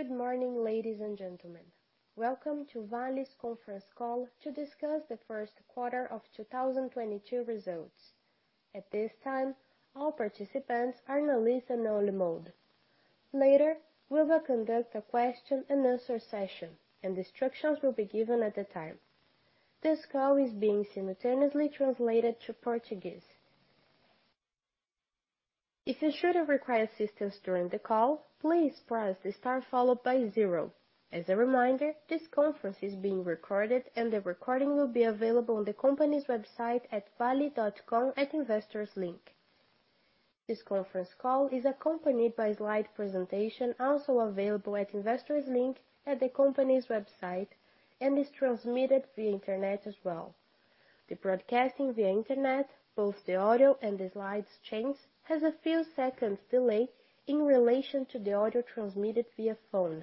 Good morning, ladies and gentlemen. Welcome to Vale's conference call to discuss the first quarter of 2022 results. At this time, all participants are in a listen only mode. Later, we will conduct a question and answer session and instructions will be given at the time. This call is being simultaneously translated to Portuguese. If you should require assistance during the call, please press the star followed by zero. As a reminder, this conference is being recorded and the recording will be available on the company's website at vale.com at investors link. This conference call is accompanied by slide presentation, also available at investors link at the company's website and is transmitted via internet as well. The broadcasting via internet, both the audio and the slides chains, has a few seconds delay in relation to the audio transmitted via phone.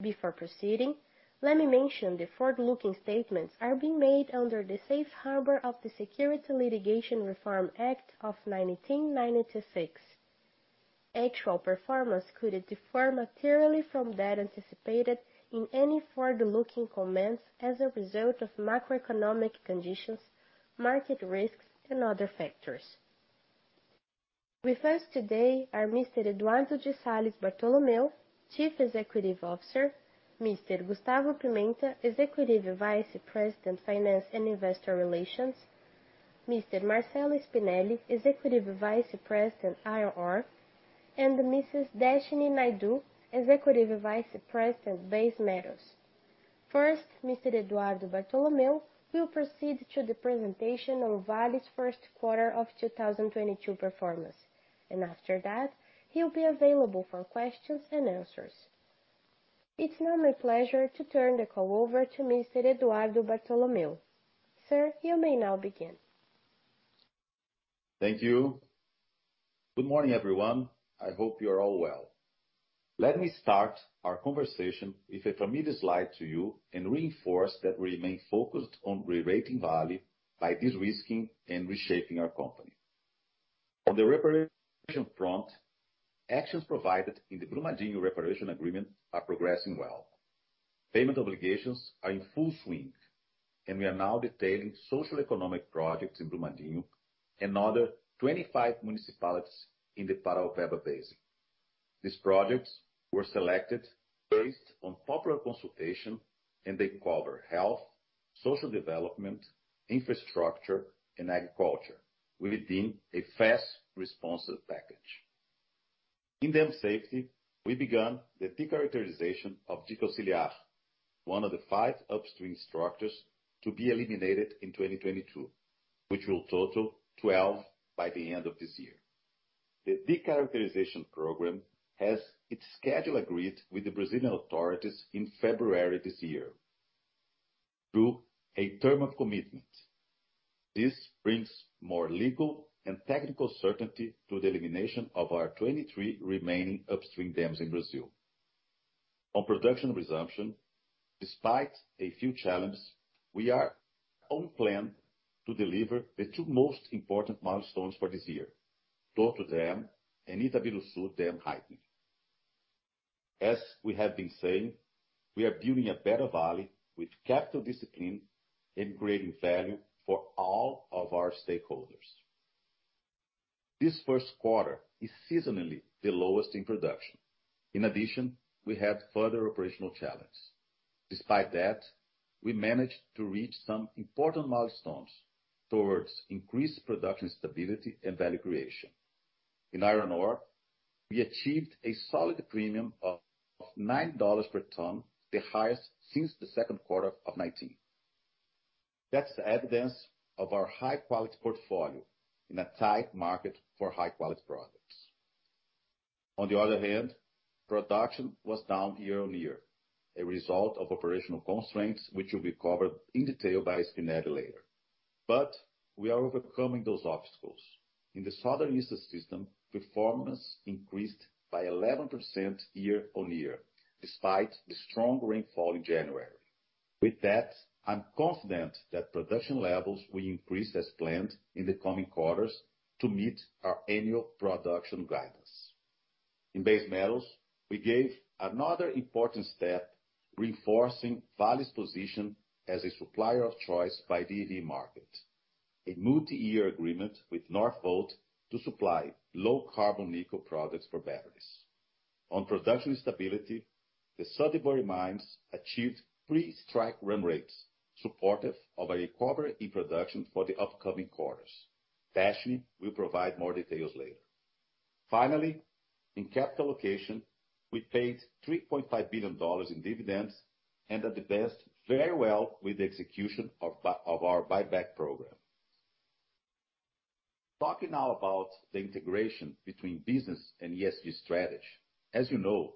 Before proceeding, let me mention the forward-looking statements are being made under the safe harbor of the Securities Litigation Reform Act of 1995. Actual performance could differ materially from that anticipated in any forward-looking comments as a result of macroeconomic conditions, market risks, and other factors. With us today are Mr. Eduardo de Salles Bartolomeo, Chief Executive Officer, Mr. Gustavo Pimenta, Executive Vice President, Finance and Investor Relations, Mr. Marcello Spinelli, Executive Vice President, Iron Ore, and Mrs. Deshnee Naidoo, Executive Vice President, Base Metals. First, Mr. Eduardo Bartolomeo will proceed to the presentation of Vale's first quarter of 2022 performance, and after that, he'll be available for questions and answers. It's now my pleasure to turn the call over to Mr. Eduardo Bartolomeo. Sir, you may now begin. Thank you. Good morning, everyone. I hope you're all well. Let me start our conversation with a familiar slide to you and reinforce that we remain focused on rerating Vale by de-risking and reshaping our company. On the reparation front, actions provided in the Brumadinho reparation agreement are progressing well. Payment obligations are in full swing, and we are now detailing social economic projects in Brumadinho, another 25 municipalities in the Paraopeba Basin. These projects were selected based on popular consultation, and they cover health, social development, infrastructure and agriculture within a fast responsive package. In dam safety, we began the de-characterization of Dique Ciliar, one of the five upstream structures to be eliminated in 2022, which will total 12 by the end of this year. The de-characterization program has its schedule agreed with the Brazilian authorities in February this year through a term of commitment. This brings more legal and technical certainty to the elimination of our 23 remaining upstream dams in Brazil. On production resumption, despite a few challenges, we are on plan to deliver the two most important milestones for this year, Torto dam and Itabiruçu dam de-heightening. As we have been saying, we are building a better Vale with capital discipline and creating value for all of our stakeholders. This first quarter is seasonally the lowest in production. In addition, we have further operational challenge. Despite that, we managed to reach some important milestones towards increased production stability and value creation. In iron ore, we achieved a solid premium of $9 per ton, the highest since the second quarter of 2019. That's the evidence of our high quality portfolio in a tight market for high quality products. On the other hand, production was down year-on-year, a result of operational constraints which will be covered in detail by Spinelli later. We are overcoming those obstacles. In the Southern System, performance increased by 11% year-on-year, despite the strong rainfall in January. With that, I'm confident that production levels will increase as planned in the coming quarters to meet our annual production guidance. In base metals, we gave another important step reinforcing Vale's position as a supplier of choice by the EV market. A multi-year agreement with Northvolt to supply low carbon nickel products for batteries. On production stability, the Sudbury mines achieved pre-strike run rates supportive of a recovery in production for the upcoming quarters. Deshnee will provide more details later. Finally, in capital allocation, we paid $3.5 billion in dividends and that's very well with the execution of our buyback program. Talking now about the integration between business and ESG strategy. As you know,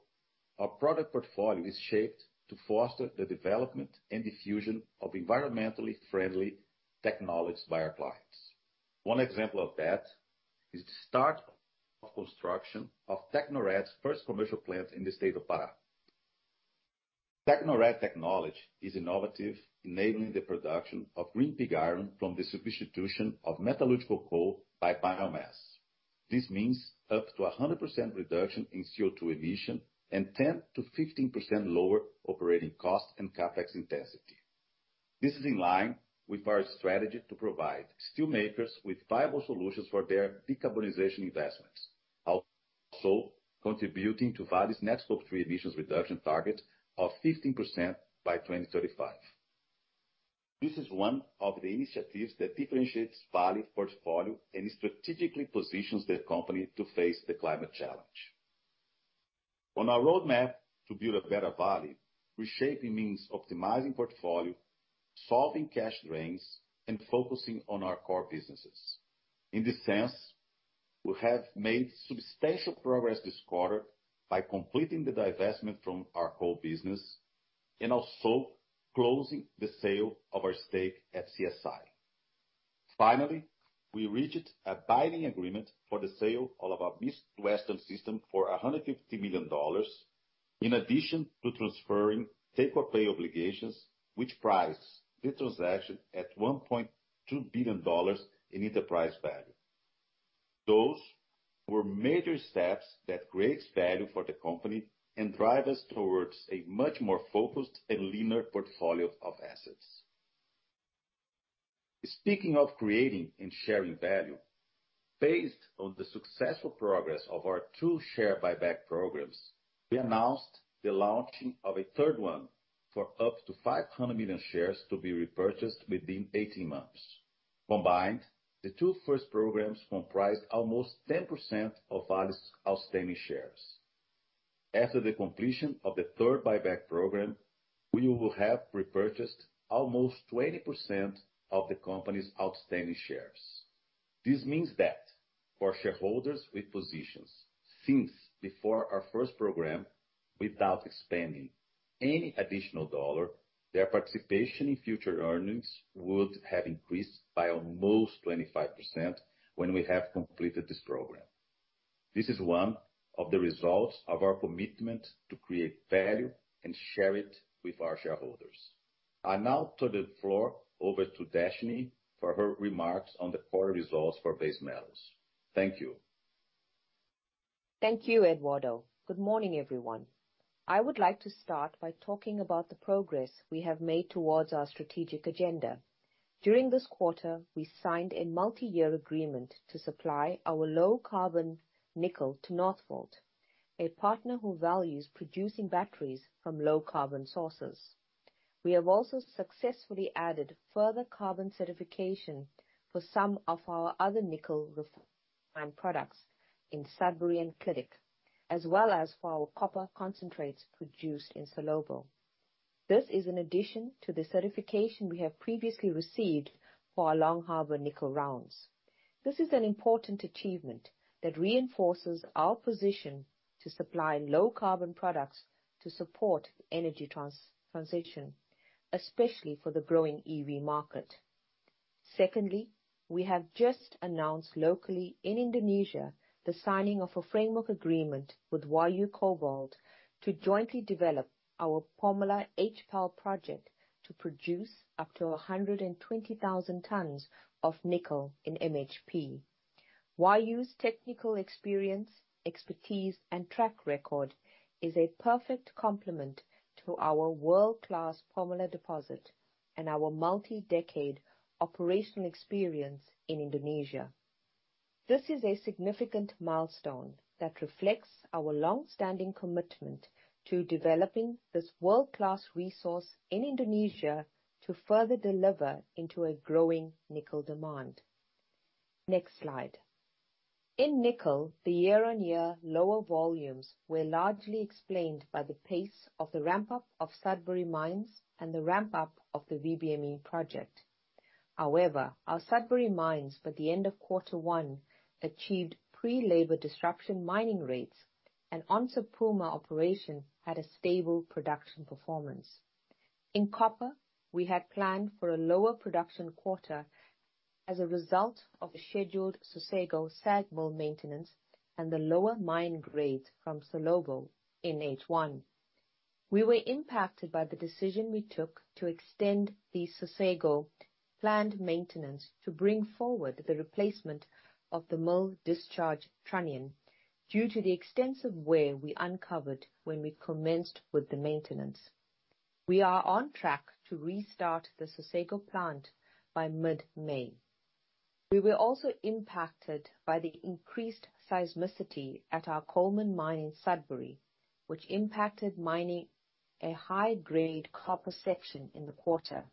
our product portfolio is shaped to foster the development and diffusion of environmentally friendly technologies by our clients. One example of that is the start of construction of Tecnored's first commercial plant in the state of Pará. Tecnored technology is innovative, enabling the production of green pig iron from the substitution of metallurgical coal by biomass. This means up to 100% reduction in CO2 emission and 10%-15% lower operating costs and CapEx intensity. This is in line with our strategy to provide steel makers with viable solutions for their decarbonization investments. Also contributing to Vale's net Scope 3 emissions reduction target of 15% by 2035. This is one of the initiatives that differentiates Vale's portfolio and strategically positions the company to face the climate challenge. On our roadmap to build a better Vale, reshaping means optimizing portfolio, solving cash drains, and focusing on our core businesses. In this sense, we have made substantial progress this quarter by completing the divestment from our coal business and also closing the sale of our stake at CSI. Finally, we reached a binding agreement for the sale of our Midwestern System for $150 million, in addition to transferring take-or-pay obligations, which price the transaction at $1.2 billion in enterprise value. Those were major steps that creates value for the company and drive us towards a much more focused and leaner portfolio of assets. Speaking of creating and sharing value, based on the successful progress of our two share buyback programs, we announced the launching of a third one for up to 500 million shares to be repurchased within 18 months. Combined, the two first programs comprised almost 10% of Vale's outstanding shares. After the completion of the third buyback program, we will have repurchased almost 20% of the company's outstanding shares. This means that for shareholders with positions since before our first program, without spending any additional dollar, their participation in future earnings would have increased by almost 25% when we have completed this program. This is one of the results of our commitment to create value and share it with our shareholders. I now turn the floor over to Deshnee for her remarks on the quarter results for base metals. Thank you. Thank you, Eduardo. Good morning, everyone. I would like to start by talking about the progress we have made towards our strategic agenda. During this quarter, we signed a multi-year agreement to supply our low carbon nickel to Northvolt, a partner who values producing batteries from low carbon sources. We have also successfully added further carbon certification for some of our other nickel refined products in Sudbury and Clydach, as well as for our copper concentrates produced in Salobo. This is an addition to the certification we have previously received for our Long Harbor nickel rounds. This is an important achievement that reinforces our position to supply low carbon products to support energy transition, especially for the growing EV market. Secondly, we have just announced locally in Indonesia the signing of a framework agreement with Huayou Cobalt to jointly develop our Pomalaa HPAL project to produce up to 120,000 tons of nickel in MHP. Huayou's technical experience, expertise, and track record is a perfect complement to our world-class Pomalaa deposit and our multi-decade operational experience in Indonesia. This is a significant milestone that reflects our long-standing commitment to developing this world-class resource in Indonesia to further deliver into a growing nickel demand. Next slide. In nickel, the year-on-year lower volumes were largely explained by the pace of the ramp-up of Sudbury mines and the ramp-up of the VBME project. However, our Sudbury mines at the end of quarter one achieved pre-labor disruption mining rates and Onça Puma operation had a stable production performance. In copper, we had planned for a lower production quarter as a result of a scheduled Sossego SAG mill maintenance and the lower mine grade from Salobo in H1. We were impacted by the decision we took to extend the Sossego planned maintenance to bring forward the replacement of the mill discharge trunnion due to the extensive wear we uncovered when we commenced with the maintenance. We are on track to restart the Sossego plant by mid-May. We were also impacted by the increased seismicity at our Coleman Mine in Sudbury, which impacted mining a high-grade copper section in the quarter.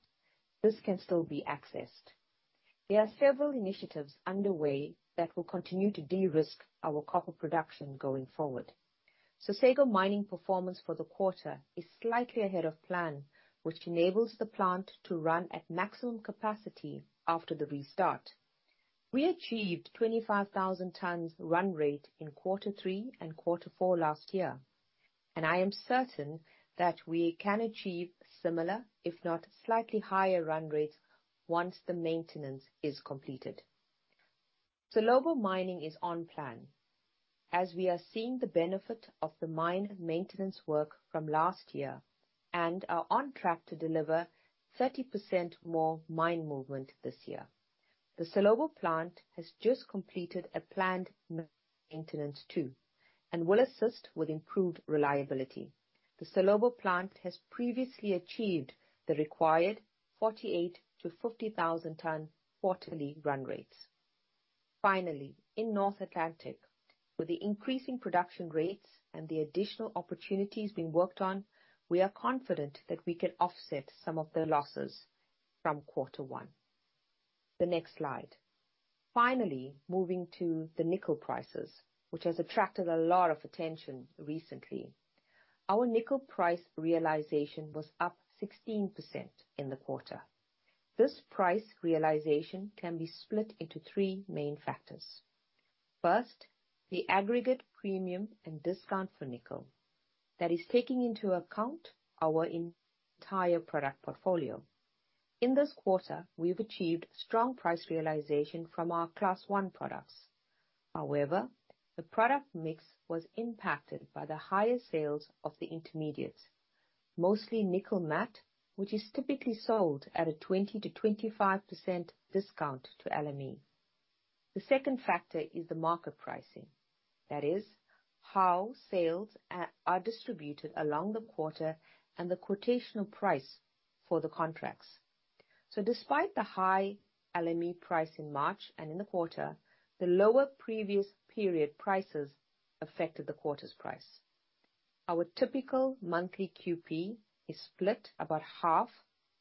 This can still be accessed. There are several initiatives underway that will continue to de-risk our copper production going forward. Sossego mining performance for the quarter is slightly ahead of plan, which enables the plant to run at maximum capacity after the restart. We achieved 25,000 tons run rate in quarter three and quarter four last year, and I am certain that we can achieve similar, if not slightly higher, run rates once the maintenance is completed. Salobo mining is on plan as we are seeing the benefit of the mine maintenance work from last year and are on track to deliver 30% more mine movement this year. The Salobo plant has just completed a planned maintenance too, and will assist with improved reliability. The Salobo plant has previously achieved the required 48,000-50,000 tons quarterly run rates. Finally, in North Atlantic, with the increasing production rates and the additional opportunities being worked on, we are confident that we can offset some of the losses from quarter one. The next slide. Finally, moving to the nickel prices, which has attracted a lot of attention recently. Our nickel price realization was up 16% in the quarter. This price realization can be split into three main factors. First, the aggregate premium and discount for nickel. That is taking into account our entire product portfolio. In this quarter, we've achieved strong price realization from our Class 1 products. However, the product mix was impacted by the higher sales of the intermediates, mostly nickel matte, which is typically sold at a 20%-25% discount to LME. The second factor is the market pricing. That is, how sales are distributed along the quarter and the quotational price for the contracts. Despite the high LME price in March and in the quarter, the lower previous period prices affected the quarter's price. Our typical monthly QP is split about half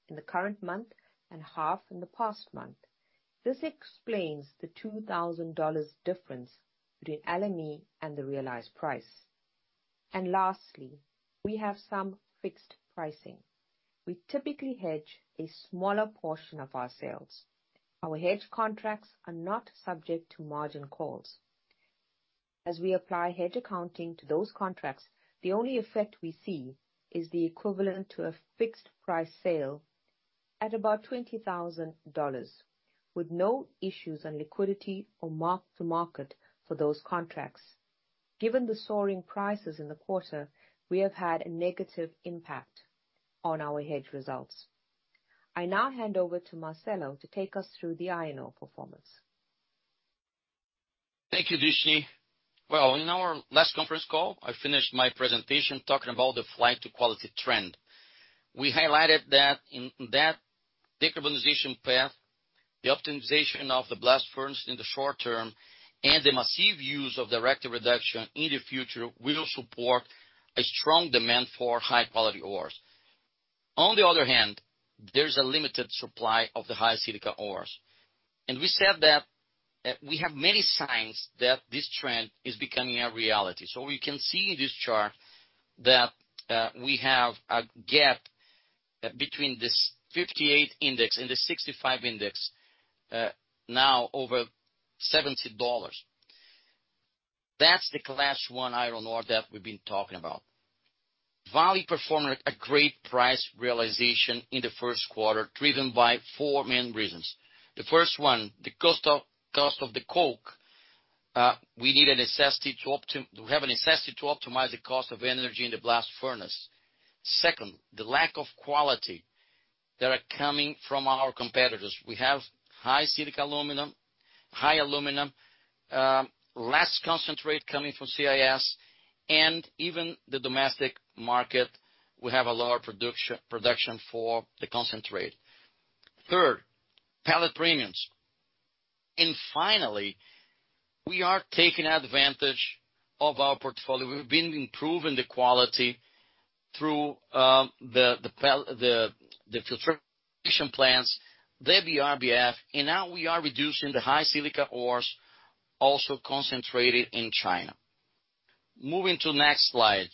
in the current month and half in the past month. This explains the $2,000 difference between LME and the realized price. Lastly, we have some fixed pricing. We typically hedge a smaller portion of our sales. Our hedge contracts are not subject to margin calls. As we apply hedge accounting to those contracts, the only effect we see is the equivalent to a fixed price sale at about $20,000, with no issues on liquidity or mark-to-market for those contracts. Given the soaring prices in the quarter, we have had a negative impact on our hedge results. I now hand over to Marcello to take us through the iron ore performance. Thank you, Deshnee. Well, in our last conference call, I finished my presentation talking about the flight to quality trend. We highlighted that in that decarbonization path, the optimization of the blast furnace in the short term and the massive use of direct reduction in the future will support a strong demand for high-quality ores. On the other hand, there's a limited supply of the high silica ores. We said that we have many signs that this trend is becoming a reality. We can see in this chart that we have a gap between this 58 index and the 65 index, now over $70. That's the Class 1 iron ore that we've been talking about. Vale performed a great price realization in the first quarter, driven by four main reasons. The first one, the cost of the coke. We have a necessity to optimize the cost of energy in the blast furnace. Second, the lack of quality that are coming from our competitors. We have high-silica alumina, high alumina, less concentrate coming from CIS, and even the domestic market will have a lower production for the concentrate. Third, pellet premiums. Finally, we are taking advantage of our portfolio. We've been improving the quality through the filtration plants, the BRBF, and now we are reducing the high silica ores also concentrated in China. Moving to next slide.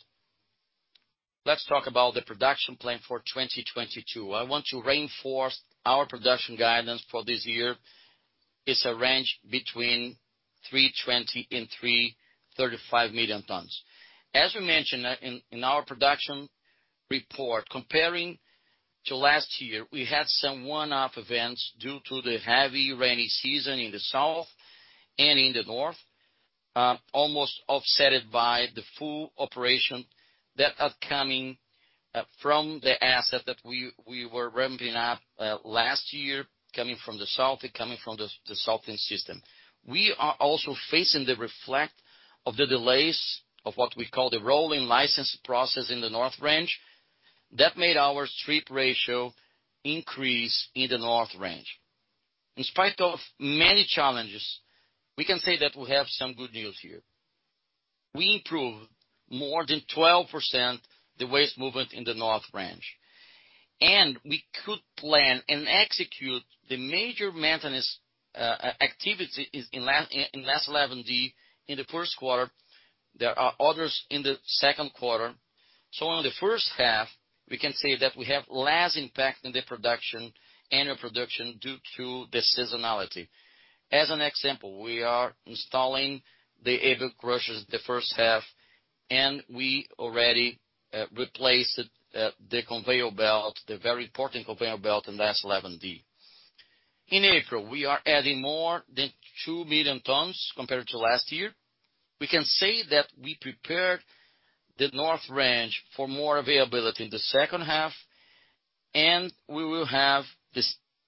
Let's talk about the production plan for 2022. I want to reinforce our production guidance for this year is a range between 320 million and 335 million tons. As we mentioned in our production report, comparing to last year, we had some one-off events due to the heavy rainy season in the South and in the North, almost offsetted by the full operation that are coming from the asset that we were ramping up last year, coming from the south and coming from the Southern System. We are also facing the reflect of the delays of what we call the rolling license process in the North Range. That made our strip ratio increase in the North Range. In spite of many challenges, we can say that we have some good news here. We improved more than 12% the waste movement in the North Range, and we could plan and execute the major maintenance activity in S11D in the first quarter. There are others in the second quarter. On the first half, we can say that we have less impact in the production and our production due to the seasonality. As an example, we are installing the [avil] crushers the first half. We already replaced the conveyor belt, the very important conveyor belt in S11D. In April, we are adding more than 2 million tons compared to last year. We can say that we prepared the North Range for more availability in the second half, and we will have the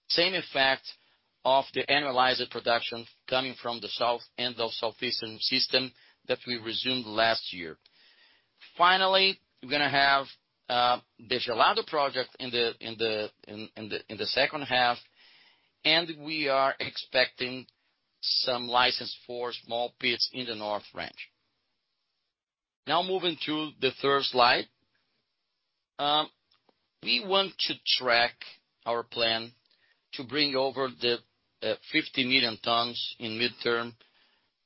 same effect of the annualized production coming from the south end of Southeastern System that we resumed last year. Finally, we're gonna have the Gelado project in the second half, and we are expecting some license for small pits in the North Range. Now moving to the third slide. We want to track our plan to bring over the 50 million tons in mid-term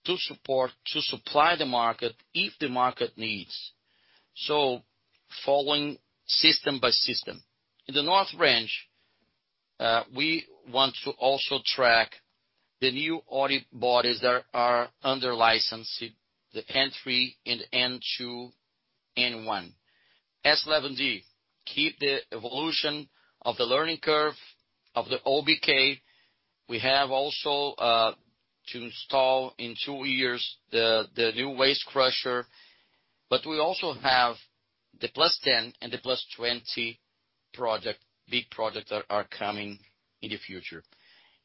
to support, to supply the market if the market needs. Following system by system. In the North Range, we want to also track the new ore bodies that are under licensing, the N3 and N2, N1. S11D, keep the evolution of the learning curve of the OBK. We have also to install in two years the new waste crusher. We also have the Plus 10 and the Plus 20 projects, big projects that are coming in the future.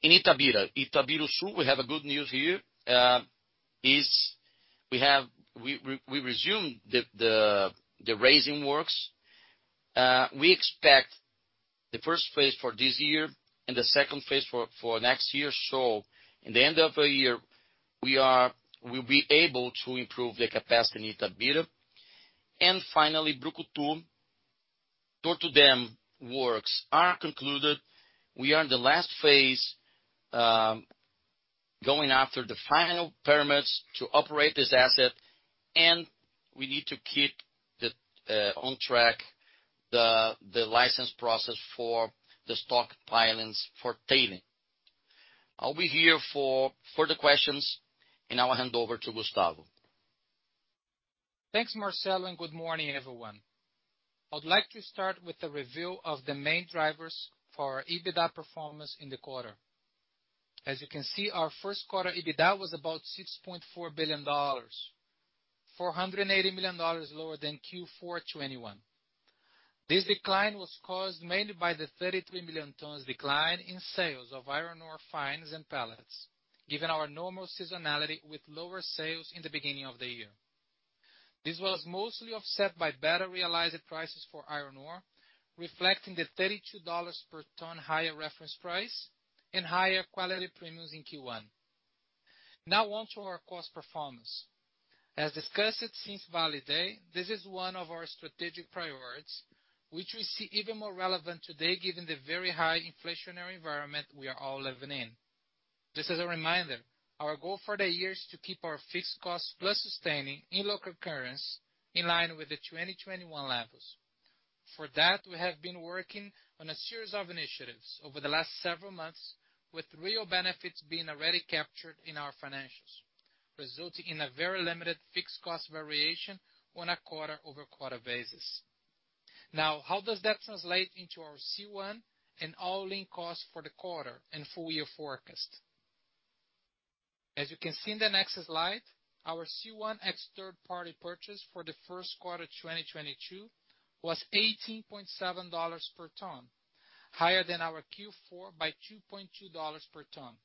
In Itabira, Itabiruçu, we have good news here. We have resumed the raising works. We expect the first phase for this year and the second phase for next year. In the end of the year, we'll be able to improve the capacity in Itabira. Finally, Brucutu. Torto dam works are concluded. We are in the last phase, going after the final permits to operate this asset, and we need to keep on track the license process for the stock filings for tailings. I'll be here for further questions, and I'll hand over to Gustavo. Thanks, Marcello, and good morning, everyone. I'd like to start with the review of the main drivers for our EBITDA performance in the quarter. As you can see, our first quarter EBITDA was about $6.4 billion, $480 million lower than Q4 2021. This decline was caused mainly by the 33 million tons decline in sales of iron ore fines and pellets, given our normal seasonality with lower sales in the beginning of the year. This was mostly offset by better realized prices for iron ore, reflecting the $32 per ton higher reference price and higher quality premiums in Q1. Now on to our cost performance. As discussed since Vale Day, this is one of our strategic priorities, which we see even more relevant today given the very high inflationary environment we are all living in. Just as a reminder, our goal for the year is to keep our fixed costs plus sustaining in local currency in line with the 2021 levels. For that, we have been working on a series of initiatives over the last several months, with real benefits being already captured in our financials, resulting in a very limited fixed cost variation on a quarter-over-quarter basis. Now, how does that translate into our C1 and all-in costs for the quarter and full year forecast? As you can see in the next slide, our C1 ex third-party purchase for the first quarter of 2022 was $18.7 per ton, higher than our Q4 by $2.2 per ton,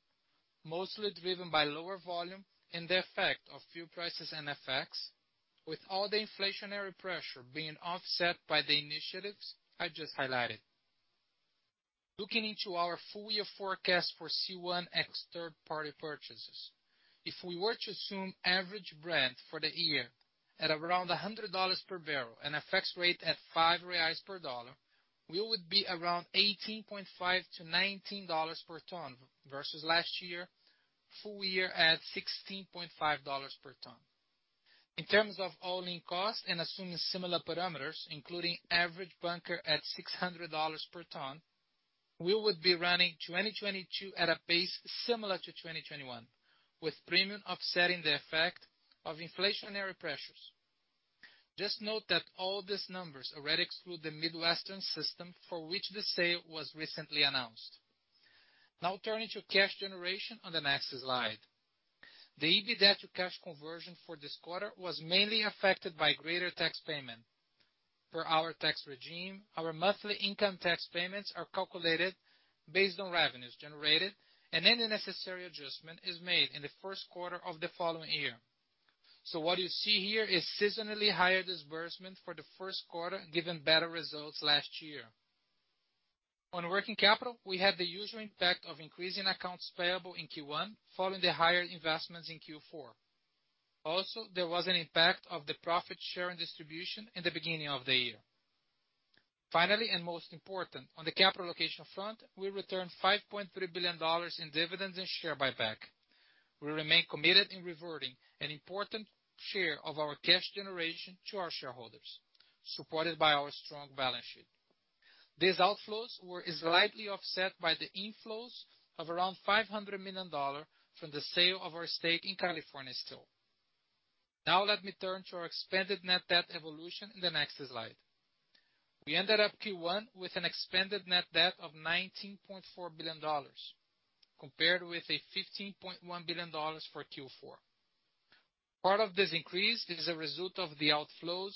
mostly driven by lower volume and the effect of fuel prices and FX, with all the inflationary pressure being offset by the initiatives I just highlighted. Looking into our full year forecast for C1 ex third-party purchases, if we were to assume average Brent for the year at around $100 per barrel and FX rate at 5 reais per dollar, we would be around $18.5-$19 per ton versus last year full year at $16.5 per ton. In terms of all-in cost and assuming similar parameters, including average bunker at $600 per ton, we would be running 2022 at a pace similar to 2021, with premium offsetting the effect of inflationary pressures. Just note that all these numbers already exclude the Midwestern System for which the sale was recently announced. Now turning to cash generation on the next slide. The EBITDA to cash conversion for this quarter was mainly affected by greater tax payment. Per our tax regime, our monthly income tax payments are calculated based on revenues generated, and any necessary adjustment is made in the first quarter of the following year. What you see here is seasonally higher disbursement for the first quarter, given better results last year. On working capital, we had the usual impact of increasing accounts payable in Q1 following the higher investments in Q4. Also, there was an impact of the profit share and distribution in the beginning of the year. Finally, and most important, on the capital allocation front, we returned $5.3 billion in dividends and share buyback. We remain committed in reverting an important share of our cash generation to our shareholders, supported by our strong balance sheet. These outflows were slightly offset by the inflows of around $500 million from the sale of our stake in California Steel. Now let me turn to our Expanded Net Debt evolution in the next slide. We ended Q1 with an Expanded Net Debt of $19.4 billion, compared with $15.1 billion for Q4. Part of this increase is a result of the outflows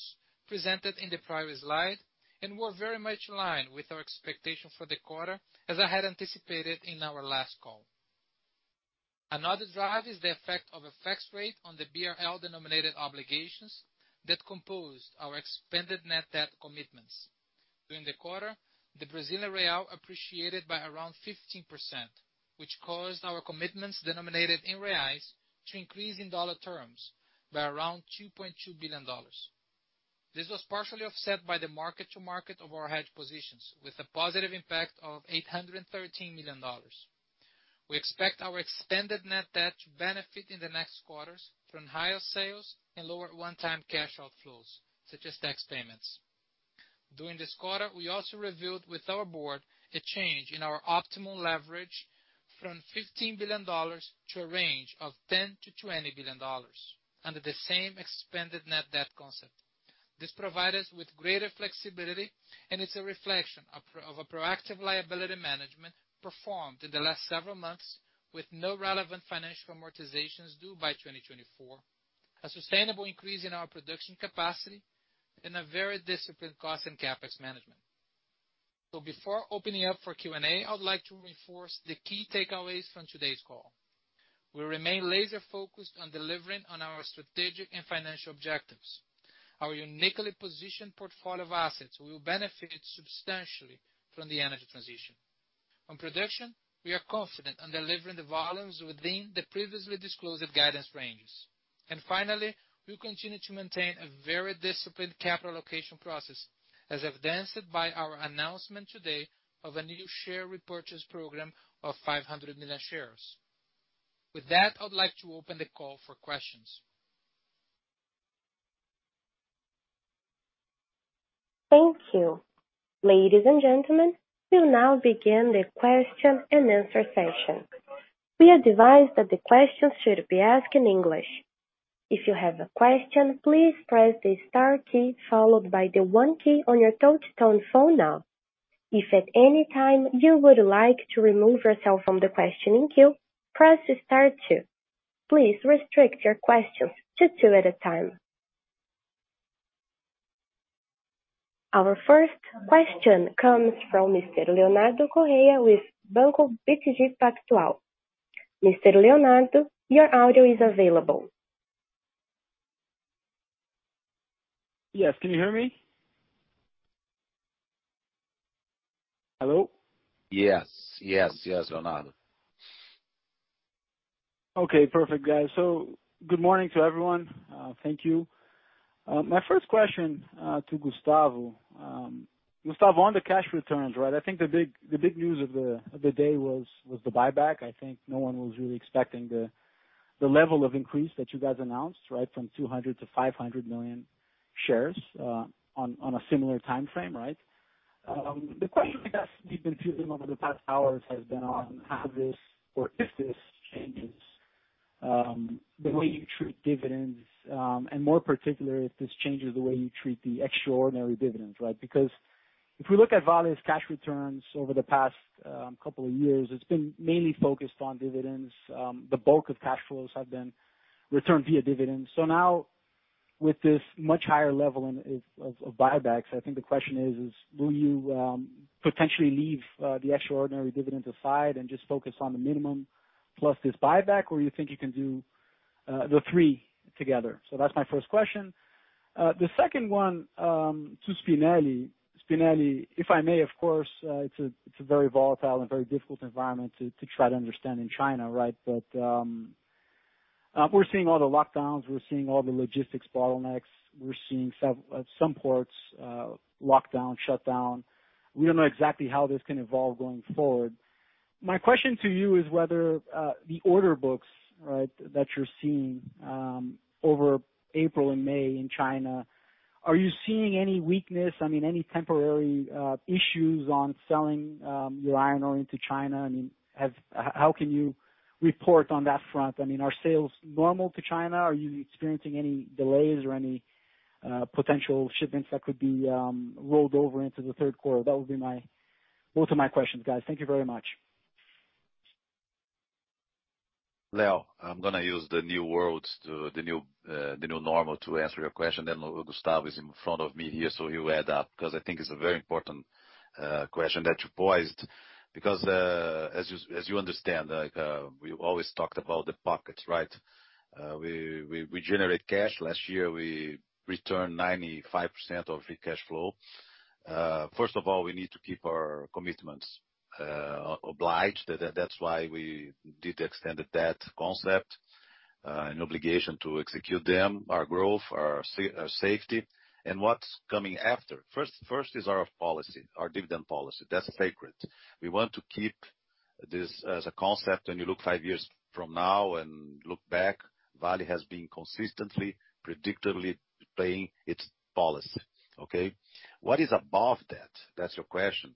presented in the previous slide and were very much in line with our expectation for the quarter, as I had anticipated in our last call. Another driver is the effect of a fixed rate on the BRL-denominated obligations that composed our Expanded Net Debt commitments. During the quarter, the Brazilian real appreciated by around 15%, which caused our commitments denominated in reais to increase in dollar terms by around $2.2 billion. This was partially offset by the mark-to-market of our hedge positions, with a positive impact of $813 million. We expect our Expanded Net Debt to benefit in the next quarters from higher sales and lower one-time cash outflows, such as tax payments. During this quarter, we also reviewed with our board a change in our optimal leverage from $15 billion to a range of $10 billion-$20 billion under the same Expanded Net Debt concept. This provide us with greater flexibility, and it's a reflection of a proactive liability management performed in the last several months with no relevant financial amortizations due by 2024, a sustainable increase in our production capacity, and a very disciplined cost and CapEx management. Before opening up for Q&A, I would like to reinforce the key takeaways from today's call. We remain laser-focused on delivering on our strategic and financial objectives. Our uniquely positioned portfolio of assets will benefit substantially from the energy transition. On production, we are confident on delivering the volumes within the previously disclosed guidance ranges. Finally, we'll continue to maintain a very disciplined capital allocation process, as evidenced by our announcement today of a new share repurchase program of 500 million shares. With that, I'd like to open the call for questions. Thank you. Ladies and gentlemen, we'll now begin the question-and-answer session. We advise that the questions should be asked in English. If you have a question, please press the star key followed by the one key on your touchtone phone now. If at any time you would like to remove yourself from the questioning queue, press star two. Please restrict your questions to two at a time. Our first question comes from Mr. Leonardo Correa with Banco BTG Pactual. Mr. Leonardo, your audio is available. Yes. Can you hear me? Hello? Yes, Leonardo. Okay. Perfect, guys. Good morning to everyone. Thank you. My first question to Gustavo. Gustavo, on the cash returns, right? I think the big news of the day was the buyback. I think no one was really expecting the level of increase that you guys announced, right? From 200 million to 500 million shares, on a similar timeframe, right? The question I guess we've been puzzling over the past hours has been on how this or if this changes the way you treat dividends, and in particular, if this changes the way you treat the extraordinary dividends, right? Because if we look at Vale's cash returns over the past couple of years, it's been mainly focused on dividends. The bulk of cash flows have been returned via dividends. Now, with this much higher level in of buybacks, I think the question is, will you potentially leave the extraordinary dividend aside and just focus on the minimum plus this buyback, or you think you can do the three together? That's my first question. The second one to Spinelli. Spinelli, if I may, of course, it's a very volatile and very difficult environment to try to understand in China, right? We're seeing all the lockdowns, we're seeing all the logistics bottlenecks, we're seeing some ports lock down, shut down. We don't know exactly how this can evolve going forward. My question to you is whether the order books, right, that you're seeing over April and May in China, are you seeing any weakness? I mean, any temporary issues on selling your iron ore into China? I mean, how can you report on that front? I mean, are sales normal to China? Are you experiencing any delays or any potential shipments that could be rolled over into the third quarter? Those are my questions, guys. Thank you very much. Leo, I'm gonna use the new words to the new normal to answer your question. Gustavo is in front of me here, so he'll add up, because I think it's a very important question that you posed, because as you understand, like, we've always talked about the pocket, right? We generate cash. Last year, we returned 95% of the cash flow. First of all, we need to keep our commitments, obliged. That's why we did the Expanded Net Debt concept, an obligation to execute them, our growth, our safety. What's coming after? First is our policy, our dividend policy. That's sacred. We want to keep this as a concept, when you look five years from now and look back, Vale has been consistently, predictably paying its policy, okay? What is above that? That's your question.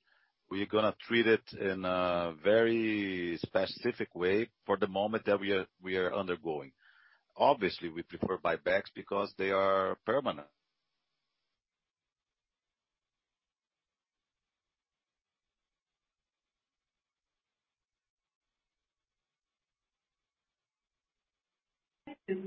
We're gonna treat it in a very specific way for the moment that we are undergoing. Obviously, we prefer buybacks because they are permanent. The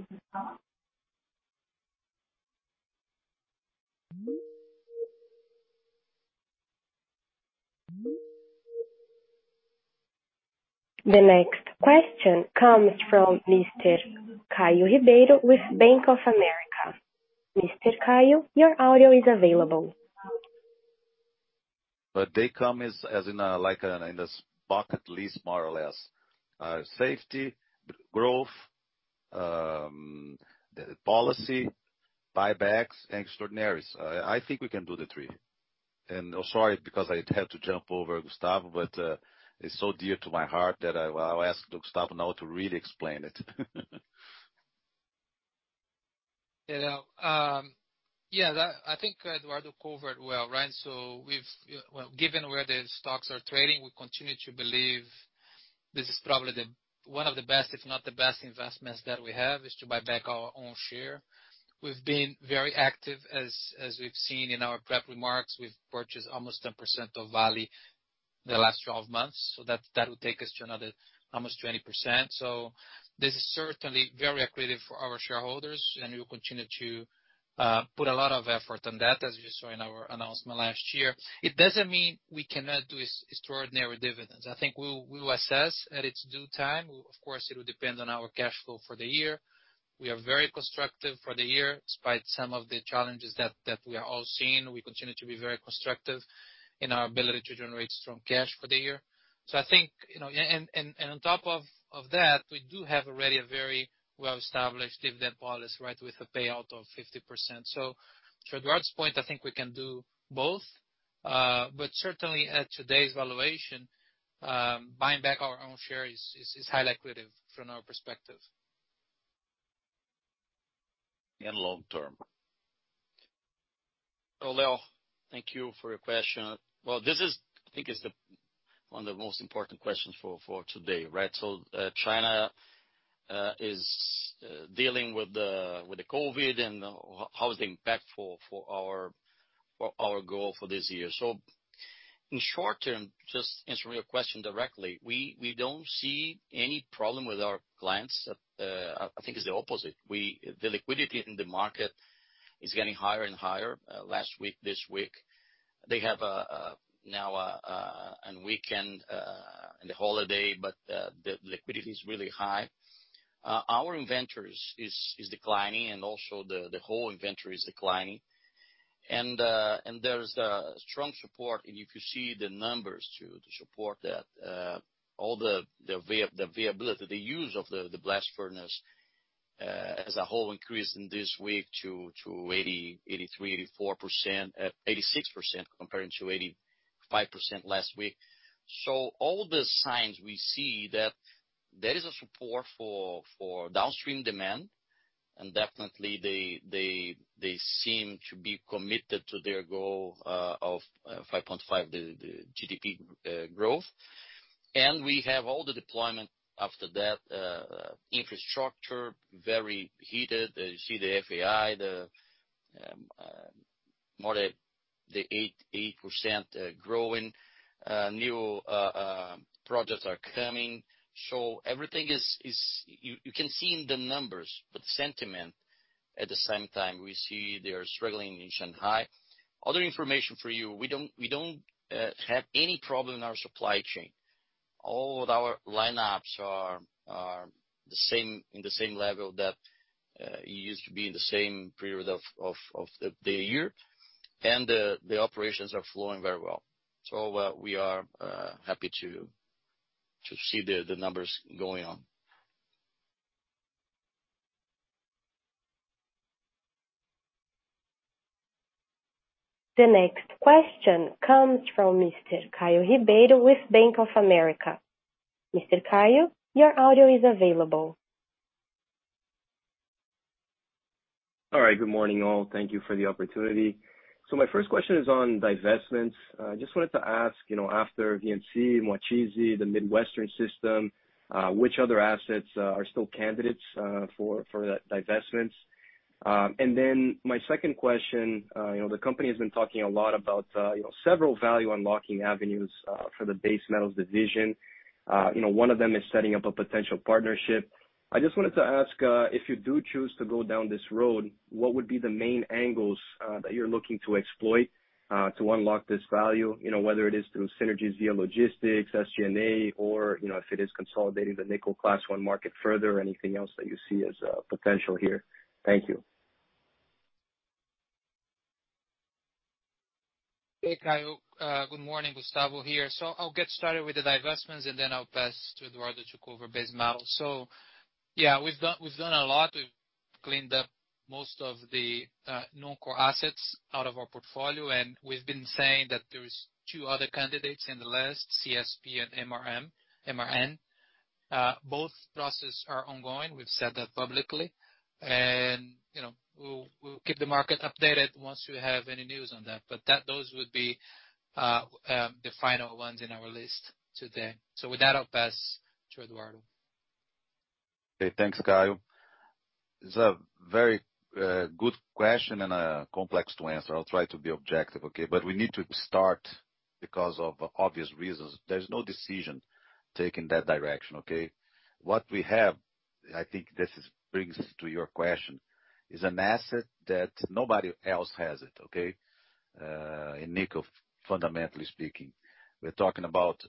next question comes from Mr. Caio Ribeiro with Bank of America. Mr. Caio, your audio is available. They come like in a bucket list more or less. Safety, growth, the policy, buybacks and extraordinaries. I think we can do the three. Sorry because I had to jump over Gustavo, but it's so dear to my heart that I'll ask Gustavo now to really explain it. Yeah, I think Eduardo covered well, right? We've. Well, given where the stocks are trading, we continue to believe this is probably the, one of the best, if not the best investments that we have, is to buy back our own share. We've been very active, as we've seen in our prep remarks. We've purchased almost 10% of Vale the last 12 months, so that will take us to another almost 20%. This is certainly very accretive for our shareholders, and we'll continue to put a lot of effort on that, as you saw in our announcement last year. It doesn't mean we cannot do extraordinary dividends. I think we'll assess at its due time. Of course, it will depend on our cash flow for the year. We are very constructive for the year, despite some of the challenges that we are all seeing. We continue to be very constructive in our ability to generate strong cash for the year. I think on top of that, we do have already a very well-established dividend policy, right, with a payout of 50%. To Eduardo's point, I think we can do both. Certainly at today's valuation, buying back our own shares is highly accretive from our perspective. In long term. Leo, thank you for your question. I think it's one of the most important questions for today, right? China is dealing with the COVID and how is the impact for our goal for this year. In short term, just answering your question directly, we don't see any problem with our clients. I think it's the opposite. The liquidity in the market is getting higher and higher last week, this week. They have now a weekend and a holiday, but the liquidity is really high. Our inventory is declining, and also the whole inventory is declining. There's a strong support, and if you see the numbers to support that, all the viability, the use of the blast furnace as a whole increased this week to 83%, 84%, 86% comparing to 85% last week. All the signs we see that there is a support for downstream demand, and definitely they seem to be committed to their goal of 5.5% GDP growth. We have all the deployment after that, infrastructure, very heated. You see the FAI, more than 8% growing. New projects are coming. Everything is. You can see in the numbers, but sentiment at the same time, we see they are struggling in Shanghai. Other information for you, we don't have any problem in our supply chain. All of our lineups are the same, in the same level that it used to be in the same period of the year. The operations are flowing very well. We are happy to see the numbers going on. The next question comes from Mr. Caio Ribeiro with Bank of America. Mr. Caio, your audio is available. All right. Good morning, all. Thank you for the opportunity. My first question is on divestments. Just wanted to ask, you know, after VNC, Moatize, the Midwestern System, which other assets are still candidates for divestments? My second question, you know, the company has been talking a lot about, you know, several value unlocking avenues for the base metals division. You know, one of them is setting up a potential partnership. I just wanted to ask, if you do choose to go down this road, what would be the main angles that you're looking to exploit to unlock this value? You know, whether it is through synergies via logistics, SG&A or, you know, if it is consolidating the nickel Class 1 market further, anything else that you see as a potential here. Thank you. Hey, Caio. Good morning. Gustavo here. I'll get started with the divestments, and then I'll pass to Eduardo to cover base metals. Yeah, we've done a lot. We've cleaned up most of the non-core assets out of our portfolio, and we've been saying that there is two other candidates in the last CSP and MRN. Both processes are ongoing, we've said that publicly. You know, we'll keep the market updated once we have any news on that. Those would be the final ones in our list today. With that, I'll pass to Eduardo. Okay, thanks, Caio. It's a very good question and complex to answer. I'll try to be objective, okay? We need to start because of obvious reasons. There's no decision taking that direction, okay? What we have, I think this brings to your question, is an asset that nobody else has it, okay? In nickel, fundamentally speaking. We're talking about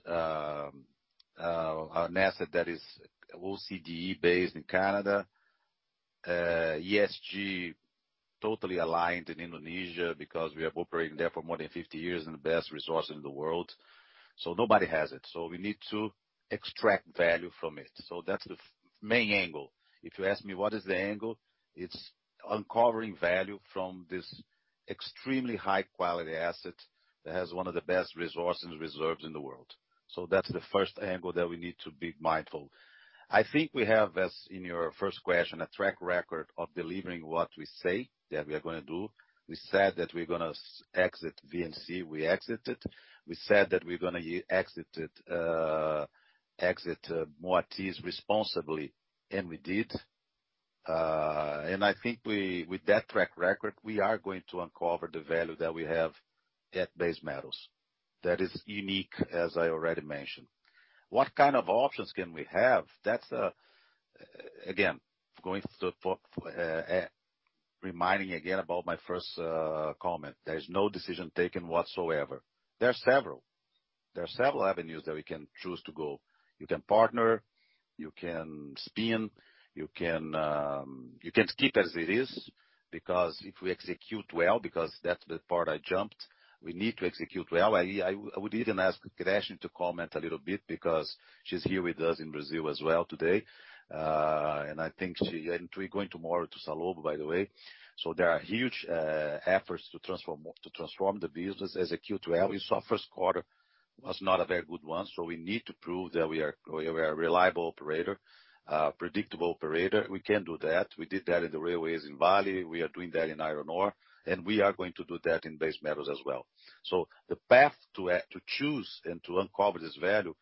an asset that is OECD based in Canada. ESG totally aligned in Indonesia because we have operated there for more than 50 years and the best resources in the world. Nobody has it. We need to extract value from it. That's the main angle. If you ask me what is the angle, it's uncovering value from this extremely high quality asset that has one of the best resources reserves in the world. That's the first angle that we need to be mindful. I think we have, as in your first question, a track record of delivering what we say that we are gonna do. We said that we're gonna exit VNC, we exited. We said that we're gonna exit it, Moatize responsibly, and we did. I think with that track record, we are going to uncover the value that we have at base metals. That is unique, as I already mentioned. What kind of options can we have? Going through, reminding again about my first comment. There's no decision taken whatsoever. There are several. There are several avenues that we can choose to go. You can partner, you can spin, you can keep as it is, because if we execute well, because that's the part I jumped, we need to execute well. I would even ask Gretchen to comment a little bit because she's here with us in Brazil as well today. I think she and we're going tomorrow to Salobo, by the way. There are huge efforts to transform the business, execute well. We saw first quarter was not a very good one, so we need to prove that we are a reliable operator, predictable operator. We can do that. We did that in the railways in Vale, we are doing that in iron ore, and we are going to do that in base metals as well. The path to choose and to uncover this value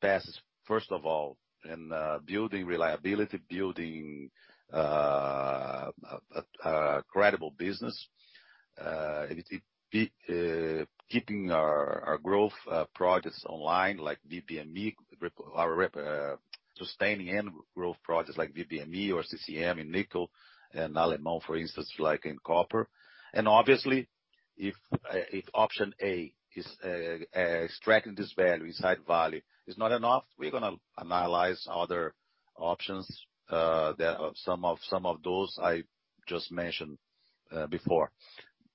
passes, first of all, in building reliability, building a credible business. It'll be keeping our growth projects online, like VBME, sustaining any growth projects like VBME or CCM in nickel and Alemão, for instance, like in copper. Obviously if option A is extracting this value inside Vale is not enough, we're gonna analyze other options that some of those I just mentioned before.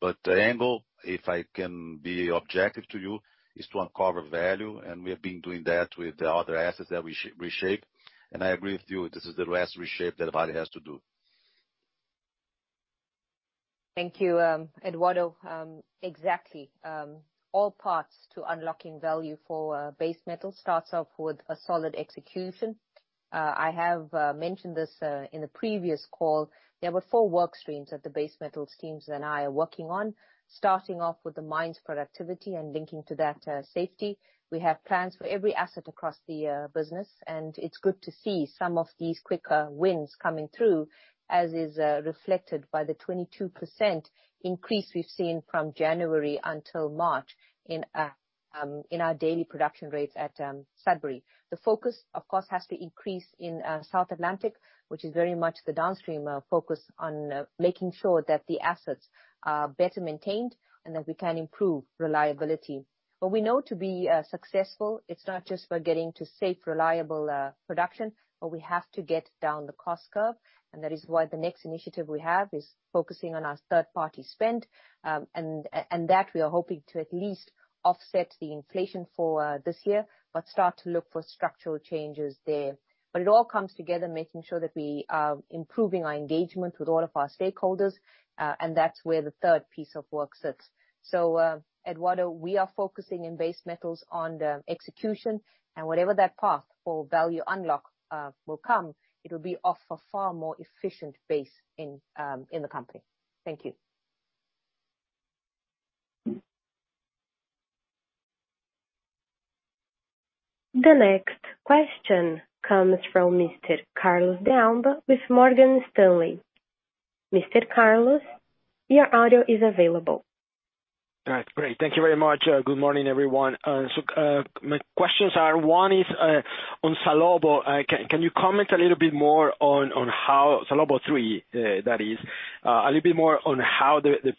The angle, if I can be objective to you, is to uncover value, and we have been doing that with the other assets that we reshape. I agree with you, this is the last reshape that Vale has to do. Thank you, Eduardo. Exactly. All paths to unlocking value for base metals starts off with a solid execution. I have mentioned this in a previous call. There were four work streams that the base metals teams and I are working on, starting off with the mine's productivity and linking to that, safety. We have plans for every asset across the business, and it's good to see some of these quicker wins coming through, as is reflected by the 22% increase we've seen from January until March in our daily production rates at Sudbury. The focus, of course, has to increase in South Atlantic, which is very much the downstream focus on making sure that the assets are better maintained and that we can improve reliability. We know to be successful, it's not just by getting to safe, reliable production, but we have to get down the cost curve, and that is why the next initiative we have is focusing on our third-party spend. And that we are hoping to at least offset the inflation for this year, but start to look for structural changes there. It all comes together, making sure that we are improving our engagement with all of our stakeholders, and that's where the third piece of work sits. Eduardo, we are focusing in base metals on the execution, and whatever that path for value unlock will come, it will be off a far more efficient base in the company. Thank you. The next question comes from Mr. Carlos de Alba with Morgan Stanley. Mr. Carlos, your audio is available. All right, great. Thank you very much. Good morning, everyone. My questions are, one is on Salobo. Can you comment a little bit more on how the Salobo III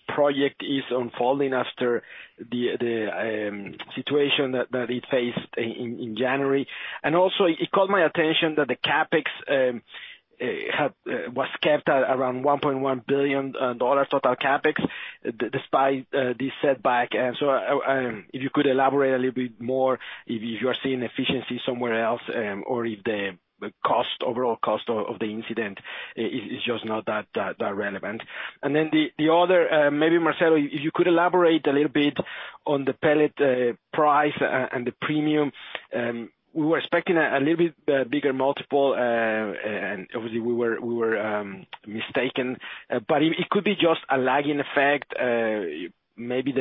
project is unfolding after the situation that it faced in January? And also, it caught my attention that the CapEx. It was kept at around $1.1 billion total CapEx despite this setback. If you could elaborate a little bit more if you are seeing efficiency somewhere else, or if the overall cost of the incident is just not that relevant. Then the other, maybe Marcello, if you could elaborate a little bit on the pellet price and the premium. We were expecting a little bit bigger multiple, and obviously we were mistaken, but it could be just a lagging effect. Maybe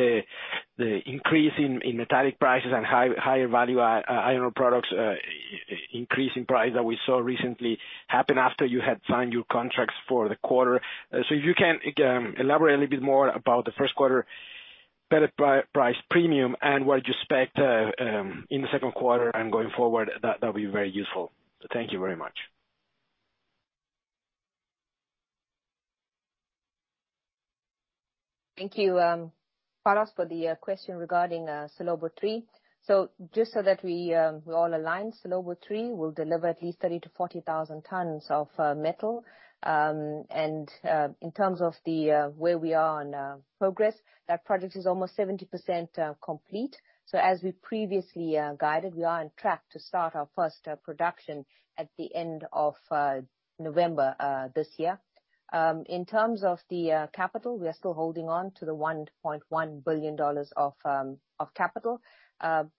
the increase in metallic prices and higher value iron ore products increasing price that we saw recently happen after you had signed your contracts for the quarter. If you can, again, elaborate a little bit more about the first quarter pellet price premium and what you expect in the second quarter and going forward, that'll be very useful. Thank you very much. Thank you, Carlos, for the question regarding Salobo III. Just so that we're all aligned, Salobo III will deliver at least 30,000-40,000 tons of metal. In terms of where we are on progress, that project is almost 70% complete. As we previously guided, we are on track to start our first production at the end of November this year. In terms of the capital, we are still holding on to the $1.1 billion of capital. In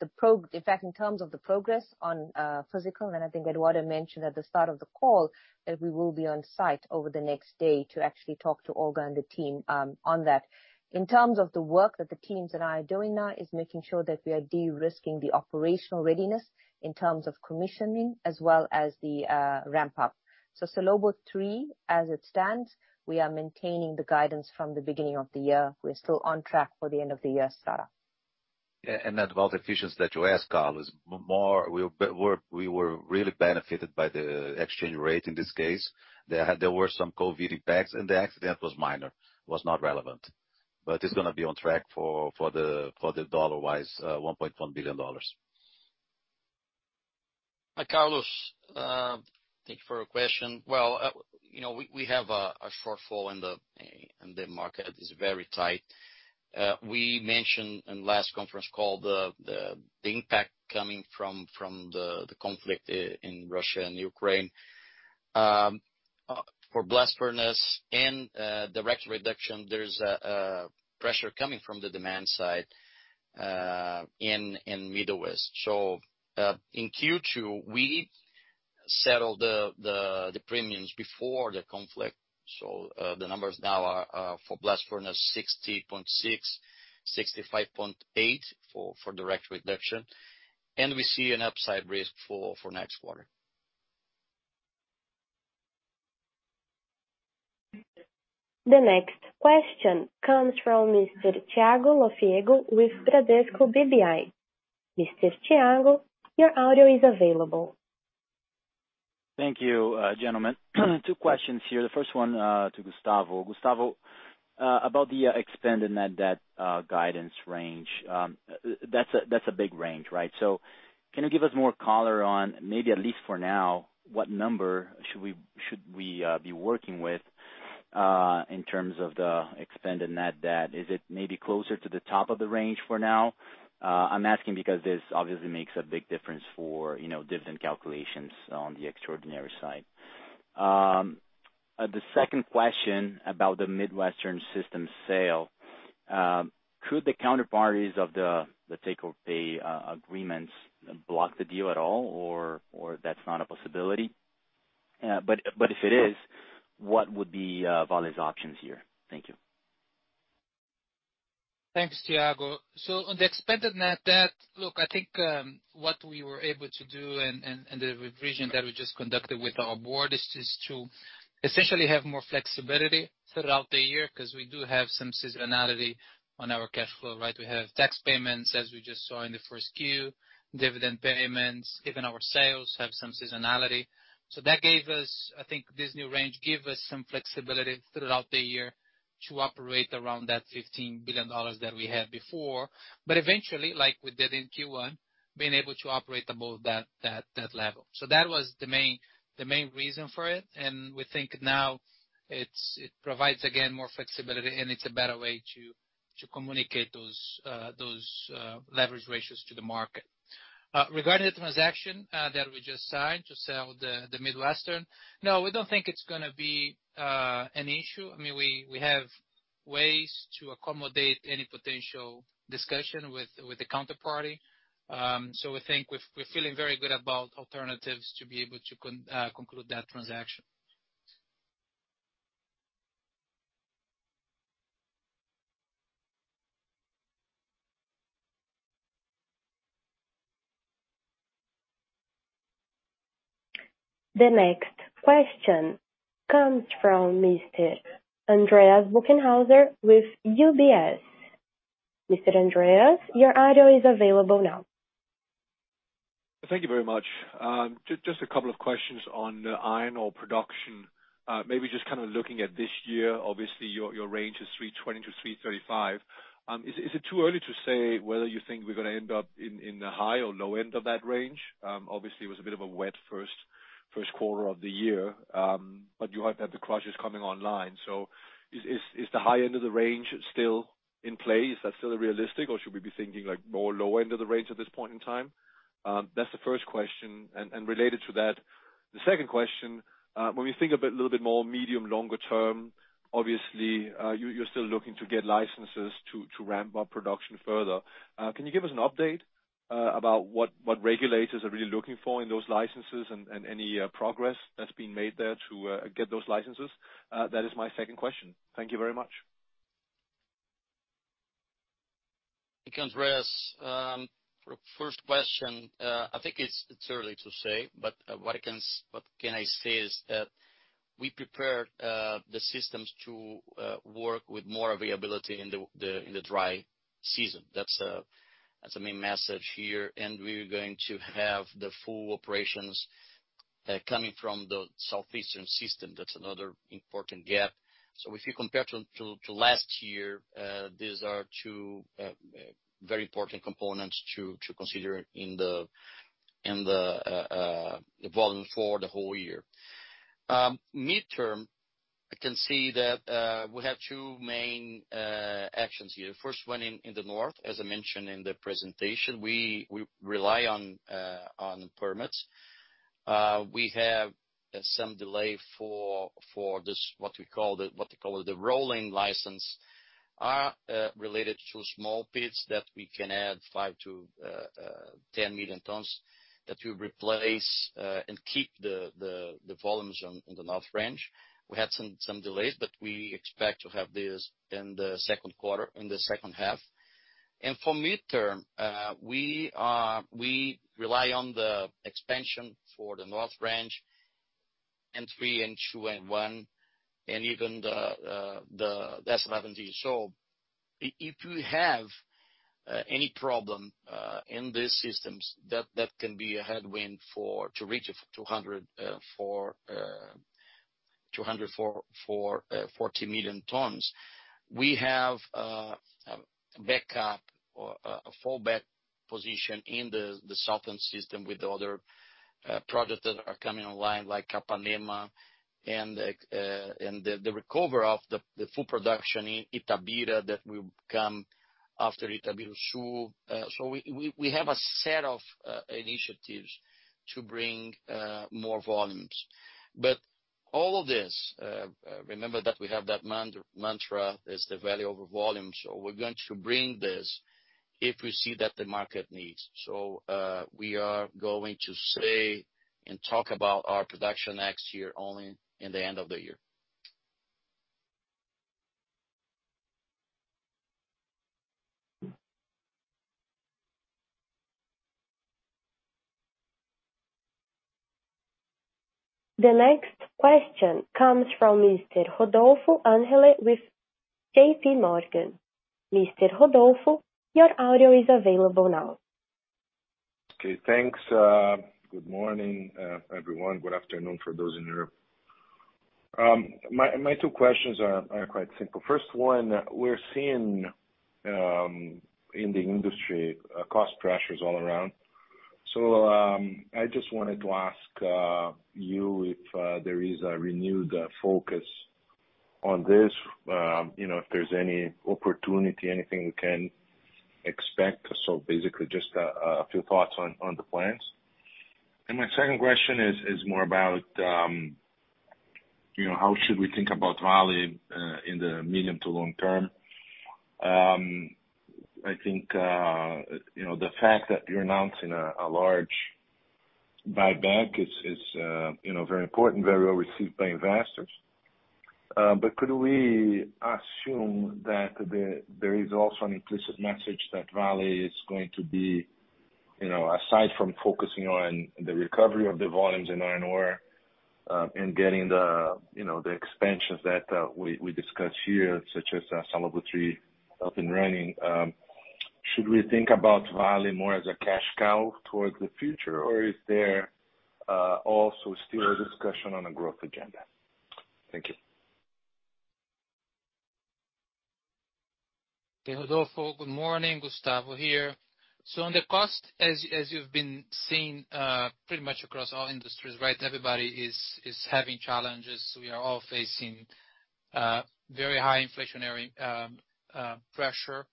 fact, in terms of the progress on physical, and I think Eduardo mentioned at the start of the call that we will be on site over the next day to actually talk to Olga and the team on that. In terms of the work that the teams and I are doing now is making sure that we are de-risking the operational readiness in terms of commissioning as well as the ramp up. Salobo III, as it stands, we are maintaining the guidance from the beginning of the year. We're still on track for the end of the year start. Yeah. About the efficiency that you asked, Carlos, we were really benefited by the exchange rate in this case. There were some COVID impacts, and the accident was minor, was not relevant. It's gonna be on track for the dollar-wise $1.1 billion. Hi, Carlos, thank you for your question. Well, you know, we have a shortfall in the market is very tight. We mentioned in last conference call the impact coming from the conflict in Russia and Ukraine. For blast furnace and direct reduction, there's a pressure coming from the demand side in Midwest. In Q2, we settled the premiums before the conflict. The numbers now are for blast furnace $60.6, $65.8 for direct reduction, and we see an upside risk for next quarter. The next question comes from Mr. Thiago Lofiego with Bradesco BBI. Mr. Thiago, your audio is available. Thank you, gentlemen. Two questions here. The first one to Gustavo. Gustavo, about the Expanded Net Debt guidance range, that's a big range, right? So can you give us more color on, maybe at least for now, what number should we be working with in terms of the Expanded Net Debt? Is it maybe closer to the top of the range for now? I'm asking because this obviously makes a big difference for, you know, dividend calculations on the extraordinary side. The second question about the Midwestern System sale, could the counterparties of the take-or-pay agreements block the deal at all, or that's not a possibility? But if it is, what would be Vale's options here? Thank you. Thanks, Thiago. On the Expanded Net Debt, look, I think, what we were able to do and the revision that we just conducted with our board is to essentially have more flexibility throughout the year 'cause we do have some seasonality on our cash flow, right? We have tax payments as we just saw in the first Q, dividend payments, even our sales have some seasonality. That gave us, I think this new range give us some flexibility throughout the year to operate around that $15 billion that we had before. Eventually, like we did in Q1, being able to operate above that level. That was the main reason for it, and we think now it provides, again, more flexibility, and it's a better way to communicate those leverage ratios to the market. Regarding the transaction that we just signed to sell the Midwestern, we don't think it's gonna be an issue. I mean, we have ways to accommodate any potential discussion with the counterparty. We think we're feeling very good about alternatives to be able to conclude that transaction. The next question comes from Mr. Andreas Bokkenheuser with UBS. Mr. Andreas, your audio is available now. Thank you very much. Just a couple of questions on the iron ore production. Maybe just kind of looking at this year, obviously your range is 320 million-335 million. Is it too early to say whether you think we're gonna end up in the high or low end of that range? Obviously it was a bit of a wet first quarter of the year. You have had the crushers coming online. Is the high end of the range still in play? Is that still realistic or should we be thinking like more lower end of the range at this point in time? That's the first question. Related to that, the second question, when we think a little bit more medium longer term, obviously you're still looking to get licenses to ramp up production further. Can you give us an update about what regulators are really looking for in those licenses and any progress that's been made there to get those licenses? That is my second question. Thank you very much. Andreas, for first question, I think it's early to say, but what can I say is that we prepared the systems to work with more availability in the dry season. That's the main message here, and we are going to have the full operations coming from the Southeastern System. That's another important gap. If you compare to last year, these are two very important components to consider in the volume for the whole year. Midterm, I can see that we have two main actions here. First one, in the North, as I mentioned in the presentation, we rely on permits. We have some delay for this what we call the rolling license related to small pits that we can add 5 million-10 million tons that will replace and keep the volumes ongoing in the North Range. We had some delays, but we expect to have this in the second quarter, in the second half. For midterm, we rely on the expansion for the North Range N3, N2, N1 and even the S11D. If we have any problem in these systems that can be a headwind to reach 240 million tons. We have backup or a fallback position in the Southern System with the other projects that are coming online like Capanema and the recovery of the full production in Itabira that will come after Itabiruçu. We have a set of initiatives to bring more volumes. All of this, remember that we have that mantra is the value over volume. We're going to bring this if we see that the market needs. We are going to stay and talk about our production next year only in the end of the year. The next question comes from Mr. Rodolfo Angele with JPMorgan. Mr. Rodolfo, your audio is available now. Okay, thanks. Good morning, everyone. Good afternoon for those in Europe. My two questions are quite simple. First one, we're seeing in the industry cost pressures all around. I just wanted to ask you if there is a renewed focus on this, you know, if there's any opportunity, anything we can expect. Basically just a few thoughts on the plans. My second question is more about, you know, how should we think about Vale in the medium to long term. I think, you know, the fact that you're announcing a large buyback is, you know, very important, very well received by investors. Could we assume that there is also an implicit message that Vale is going to be, you know, aside from focusing on the recovery of the volumes in iron ore, and getting the, you know, the expansions that we discussed here, such as Salobo III up and running. Should we think about Vale more as a cash cow towards the future or is there also still a discussion on a growth agenda? Thank you. Rodolfo, good morning. Gustavo here. On the cost, as you've been seeing pretty much across all industries, right, everybody is having challenges. We are all facing very high inflationary pressure.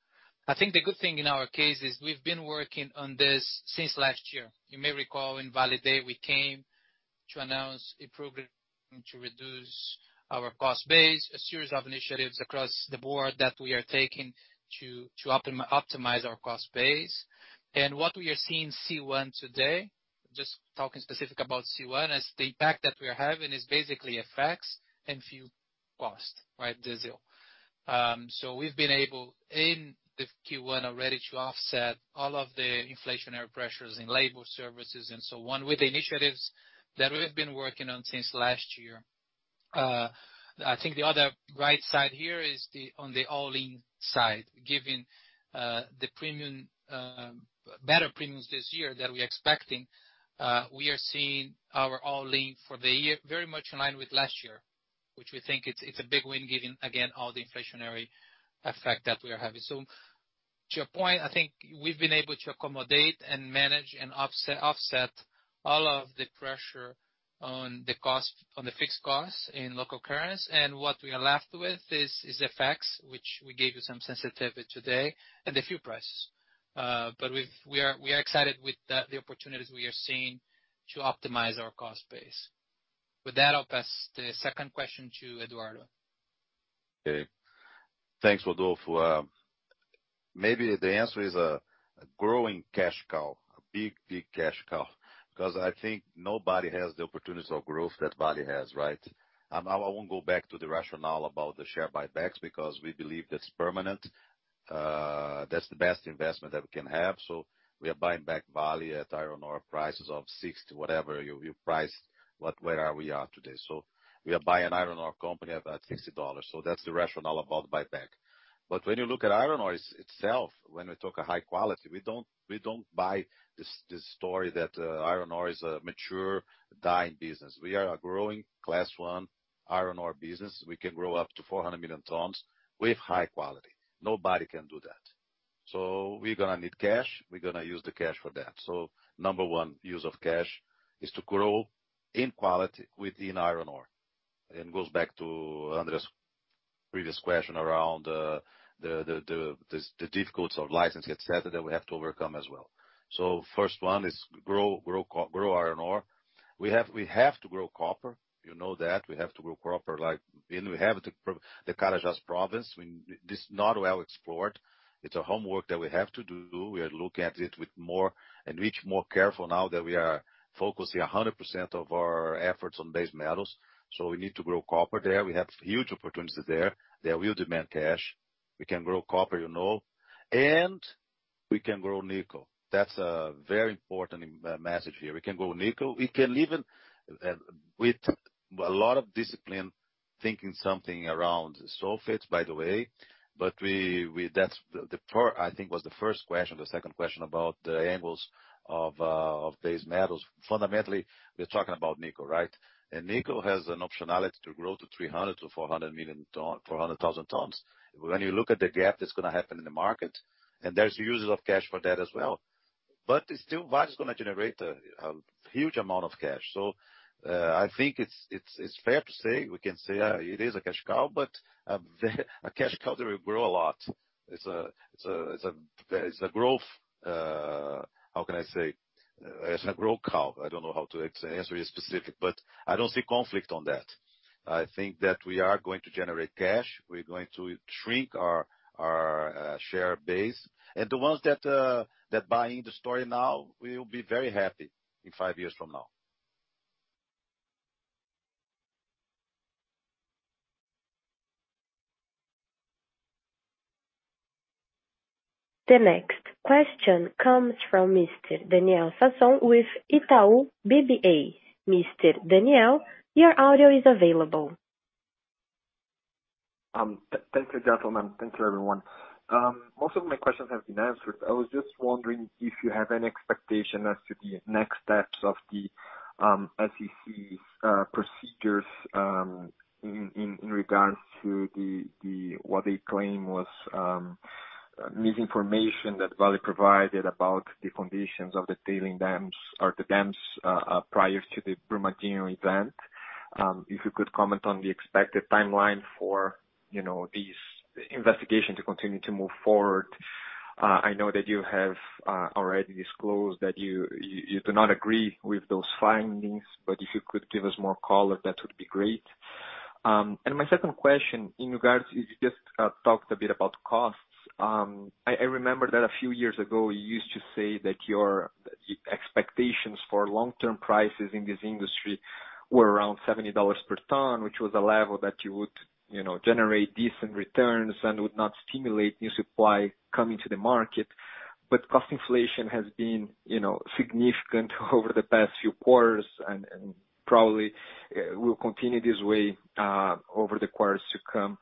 I think the good thing in our case is we've been working on this since last year. You may recall in Vale Day we came to announce a program to reduce our cost base, a series of initiatives across the board that we are taking to optimize our cost base. What we are seeing in C1 today, just talking specifically about C1, is the impact that we are having is basically a flat in fuel cost, right? The zero. We've been able in the Q1 already to offset all of the inflationary pressures in labor services and so on with the initiatives that we have been working on since last year. I think the other right side here is the, on the all-in side, given the premium. Better premiums this year than we expecting. We are seeing our all-in for the year very much in line with last year, which we think is a big win given, again, all the inflationary effect that we are having. To your point, I think we've been able to accommodate and manage and offset all of the pressure on the cost, on the fixed costs in local currency. What we are left with is the FX, which we gave you some sensitivity today and the fuel prices. We are excited with the opportunities we are seeing to optimize our cost base. With that, I'll pass the second question to Eduardo. Okay. Thanks, Rodolfo. Maybe the answer is a growing cash cow, a big cash cow, 'cause I think nobody has the opportunities of growth that Vale has, right? Now, I won't go back to the rationale about the share buybacks because we believe that's permanent. That's the best investment that we can have. We are buying back Vale at iron ore prices of $60, whatever you priced where we are today. We are buying an iron ore company at about $60. That's the rationale about buyback. When you look at iron ore itself, when we talk high quality, we don't buy this story that iron ore is a mature dying business. We are a growing Class 1 iron ore business. We can grow up to 400 million tons with high quality. Nobody can do that. We're gonna need cash. We're gonna use the cash for that. Number one use of cash is to grow in quality within iron ore. It goes back to Andres' previous question around the difficulties of licensing, et cetera, that we have to overcome as well. First one is grow iron ore. We have to grow copper. You know that. We have to grow copper like we have the Carajás Province. This is not well explored. It's a homework that we have to do. We are looking at it more carefully now that we are focusing 100% of our efforts on base metals. We need to grow copper there. We have huge opportunities there that will demand cash. We can grow copper, you know, and we can grow nickel. That's a very important message here. We can grow nickel. We can even, with a lot of discipline, thinking something around sulfates, by the way. That's the first. I think it was the first question, the second question about the angles of base metals. Fundamentally, we're talking about nickel, right? And nickel has an optionality to grow to 300,000-400,000 tons. When you look at the gap that's gonna happen in the market, and there's uses of cash for that as well. Still, Vale is gonna generate a huge amount of cash. I think it's fair to say, we can say, it is a cash cow, but a cash cow that will grow a lot. It's a growth, how can I say? It's a growth cow. I don't know how to answer you specifically, but I don't see conflict on that. I think that we are going to generate cash. We're going to shrink our share base. The ones buying the story now will be very happy in five years from now. The next question comes from Mr. Daniel Sasson with Itaú BBA. Mr. Daniel, your audio is available. Thank you, gentlemen. Thank you, everyone. Most of my questions have been answered. I was just wondering if you have any expectation as to the next steps of the SEC's procedures in regards to what they claim was misinformation that Vale provided about the foundations of the tailings dams or the dams prior to the Brumadinho event. If you could comment on the expected timeline for, you know, these investigations to continue to move forward. I know that you have already disclosed that you do not agree with those findings, but if you could give us more color, that would be great. My second question in regards you just talked a bit about costs. I remember that a few years ago, you used to say that your expectations for long-term prices in this industry were around $70 per ton, which was a level that you would, you know, generate decent returns and would not stimulate new supply coming to the market. But cost inflation has been, you know, significant over the past few quarters and probably will continue this way over the quarters to come.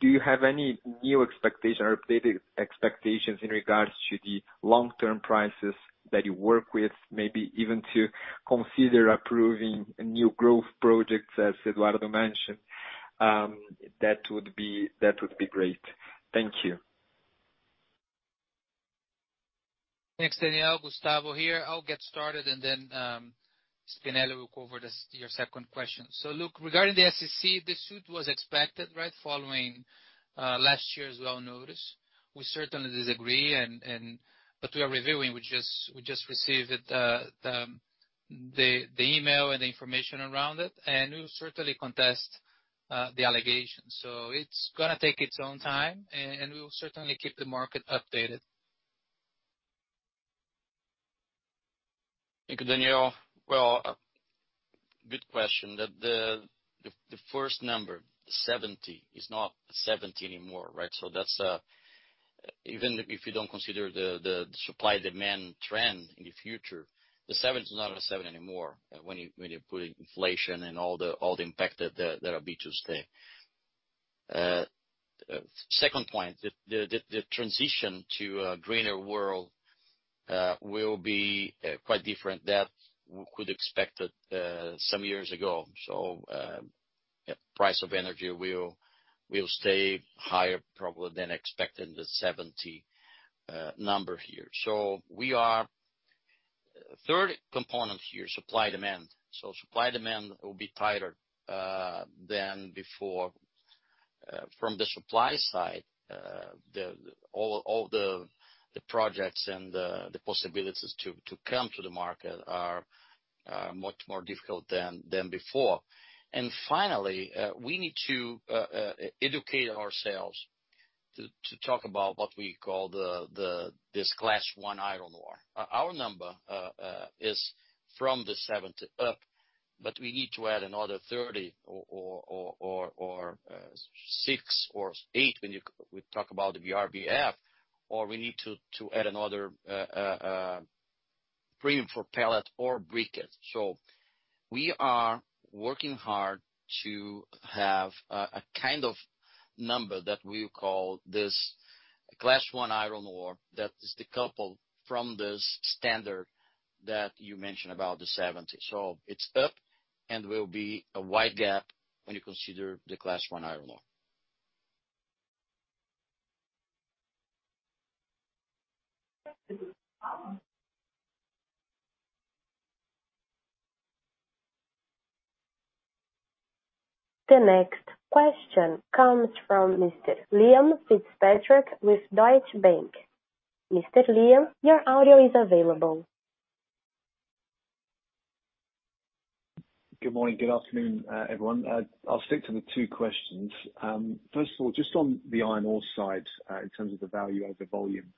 Do you have any new expectations or updated expectations in regards to the long-term prices that you work with, maybe even to consider approving new growth projects, as Eduardo mentioned? That would be great. Thank you. Thanks, Daniel. Gustavo here. I'll get started and then Spinelli will cover your second question. Look, regarding the SEC, the suit was expected, right, following last year's well notice. We certainly disagree and but we are reviewing. We just received the email and the information around it, and we'll certainly contest the allegations. It's gonna take its own time and we will certainly keep the market updated. Thank you, Daniel. Well, good question. The first number, $70 is not $70 anymore, right? That's even if you don't consider the supply demand trend in the future, the $70 is not a $70 anymore, when you put inflation and all the impact that are bid to stay. Second point, the transition to a greener world will be quite different that we could expect it some years ago. Price of energy will stay higher probably than expected, the $70 number here. Third component here, supply demand. Supply demand will be tighter than before. From the supply side, all the projects and the possibilities to come to the market are much more difficult than before. Finally, we need to educate ourselves to talk about what we call this Class 1 iron ore. Our number is from the $70 up, but we need to add another $30 or $6 or $8 when we talk about the BRBF, or we need to add another premium for pellet or briquette. We are working hard to have a kind of number that we call this Class 1 iron ore that is decoupled from this standard that you mentioned about the $70. It's up and will be a wide gap when you consider the Class 1 iron ore. The next question comes from Mr. Liam Fitzpatrick with Deutsche Bank. Mr. Liam, your audio is available. Good morning. Good afternoon, everyone. I'll stick to the two questions. First of all, just on the iron ore side, in terms of the value over volume,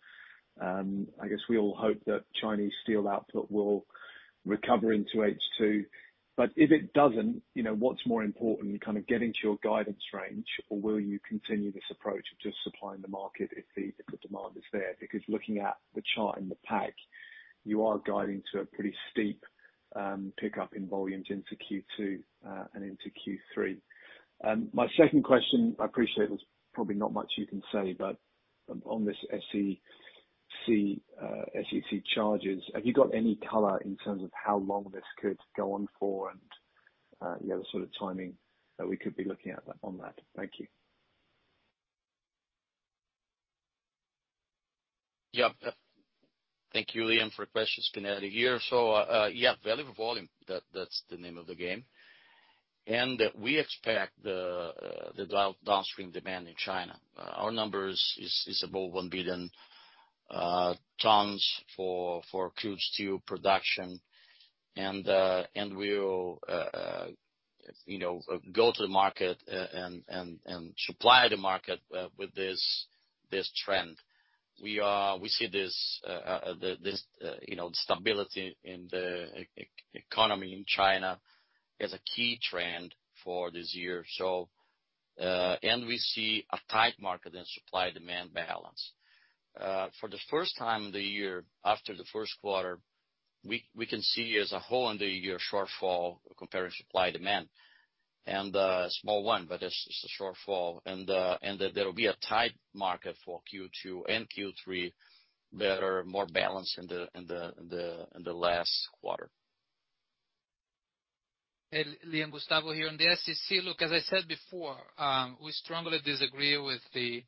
I guess we all hope that Chinese steel output will recover into H2. If it doesn't, you know, what's more important, kind of getting to your guidance range, or will you continue this approach of just supplying the market if the demand is there? Because looking at the chart in the pack, you are guiding to a pretty steep pickup in volumes into Q2, and into Q3. My second question, I appreciate there's probably not much you can say, but on this SEC charges, have you got any color in terms of how long this could go on for and, you know, the sort of timing that we could be looking at on that? Thank you. Yeah. Thank you, Liam, for questions. Spinelli here. Yeah, Vale volume, that's the name of the game. We expect the downstream demand in China. Our numbers is about 1 billion tons for crude steel production. We'll, you know, go to the market and supply the market with this trend. We see this, you know, stability in the economy in China as a key trend for this year. We see a tight market in supply-demand balance. For the first time in the year, after the first quarter, we can see as a whole in the year a shortfall comparing supply and demand. Small one, but it's a shortfall. There will be a tight market for Q2 and Q3 that are more balanced in the last quarter. Liam, Gustavo here. On the SEC, look, as I said before, we strongly disagree with the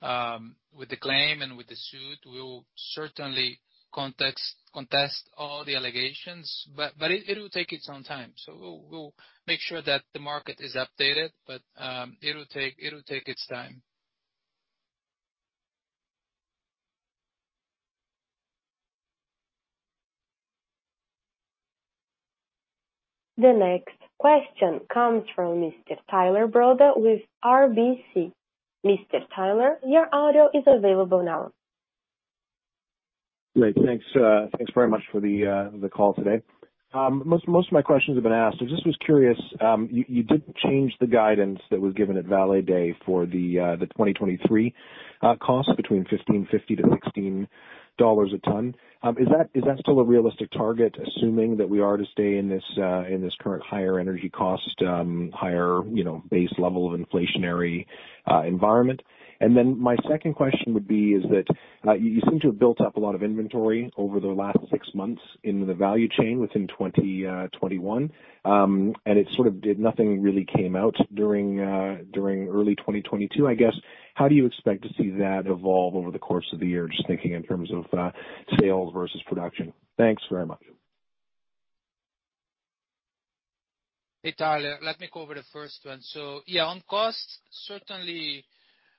claim and with the suit. We will certainly contest all the allegations. It will take its own time. We'll make sure that the market is updated. It'll take its time. The next question comes from Mr. Tyler Broda with RBC. Mr. Tyler, your audio is available now. Great. Thanks very much for the call today. Most of my questions have been asked. I just was curious, you did change the guidance that was given at Vale Day for the 2023 cost between $15.50-$16 a ton. Is that still a realistic target, assuming that we are to stay in this current higher energy cost, higher, you know, base level of inflationary environment? My second question would be, you seem to have built up a lot of inventory over the last six months in the value chain within 2021. It sort of did nothing really came out during early 2022. I guess, how do you expect to see that evolve over the course of the year, just thinking in terms of sales versus production? Thanks very much. Hey, Tyler, let me go over the first one. Yeah, on cost, certainly,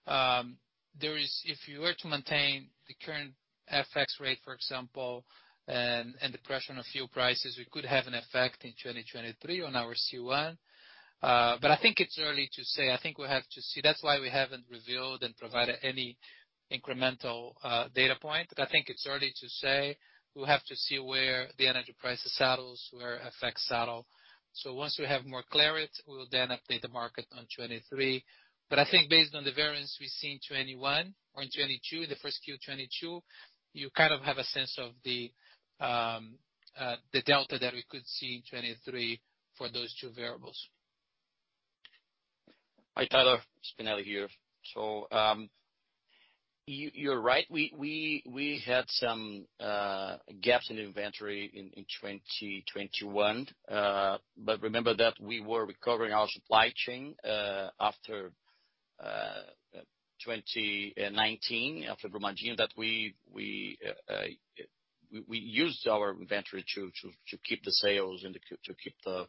there is, if you were to maintain the current FX rate, for example, and the pressure on fuel prices, we could have an effect in 2023 on our C1. I think it's early to say. I think we have to see. That's why we haven't revealed and provided any incremental data point. I think it's early to say. We'll have to see where the energy prices settles, where FX settle. Once we have more clarity, we will then update the market on 2023. I think based on the variance we see in 2021 or in 2022, the first Q 2022, you kind of have a sense of the delta that we could see in 2023 for those two variables. Hi, Tyler. Spinelli here. You're right. We had some gaps in inventory in 2021. Remember that we were recovering our supply chain after 2019, after Brumadinho, that we used our inventory to keep the sales and to keep the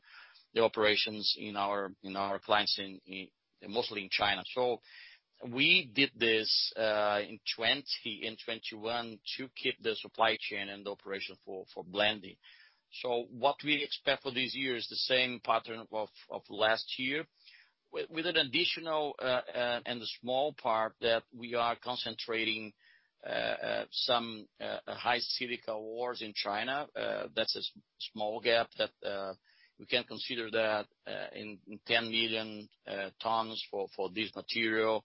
operations in our, you know, our clients in mostly in China. We did this in 2021 to keep the supply chain and the operation for blending. What we expect for this year is the same pattern of last year with an additional and a small part that we are concentrating some high silica ores in China. That's a small gap that we can consider in 10 million tons for this material.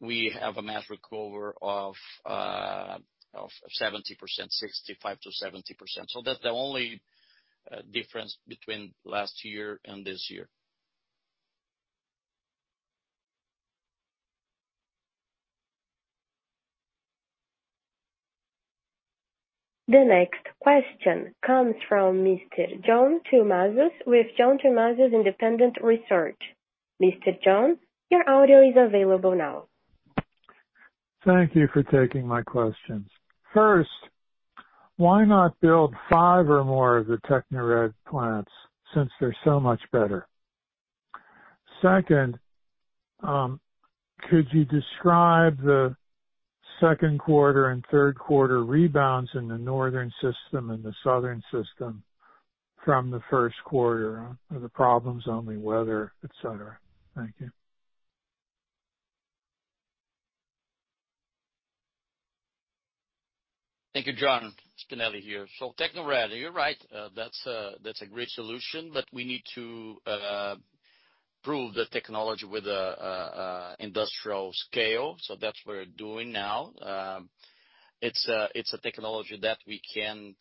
We have a mass recovery of 70%, 65%-70%. That's the only difference between last year and this year. The next question comes from Mr. John Tumazos with John Tumazos Very Independent Research. Mr. John, your audio is available now. Thank you for taking my questions. First, why not build five or more of the Tecnored plants since they're so much better? Second, could you describe the second quarter and third quarter rebounds in the Northern System and the Southern System from the first quarter? Are the problems only weather, et cetera? Thank you. Thank you, John. Spinelli here. Tecnored, you're right. That's a great solution, but we need to prove the technology with an industrial scale. That's what we're doing now. It's a technology that we can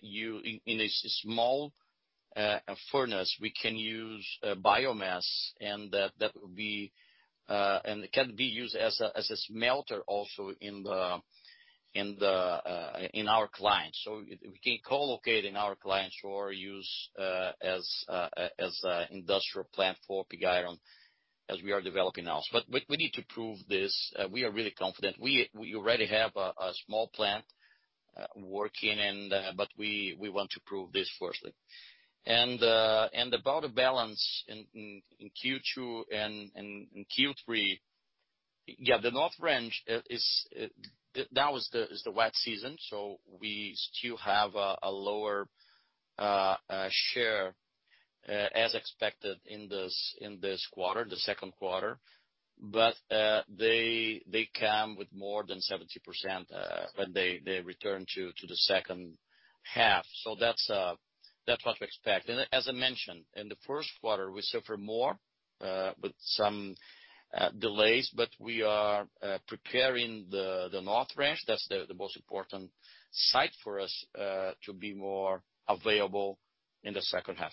use in a small furnace. We can use biomass, and that would be, and it can be used as a smelter also in our clients. We can co-locate in our clients or use as an industrial plant for pig iron as we are developing now. We need to prove this. We are really confident. We already have a small plant working, but we want to prove this firstly. About the balance in Q2 and Q3. Yeah, the North Range is the wet season, so we still have a lower share as expected in this quarter, the second quarter. they come with more than 70% when they return to the second half. that's what we expect. as I mentioned, in the first quarter, we suffer more with some delays, but we are preparing the North Range, that's the most important site for us to be more available in the second half.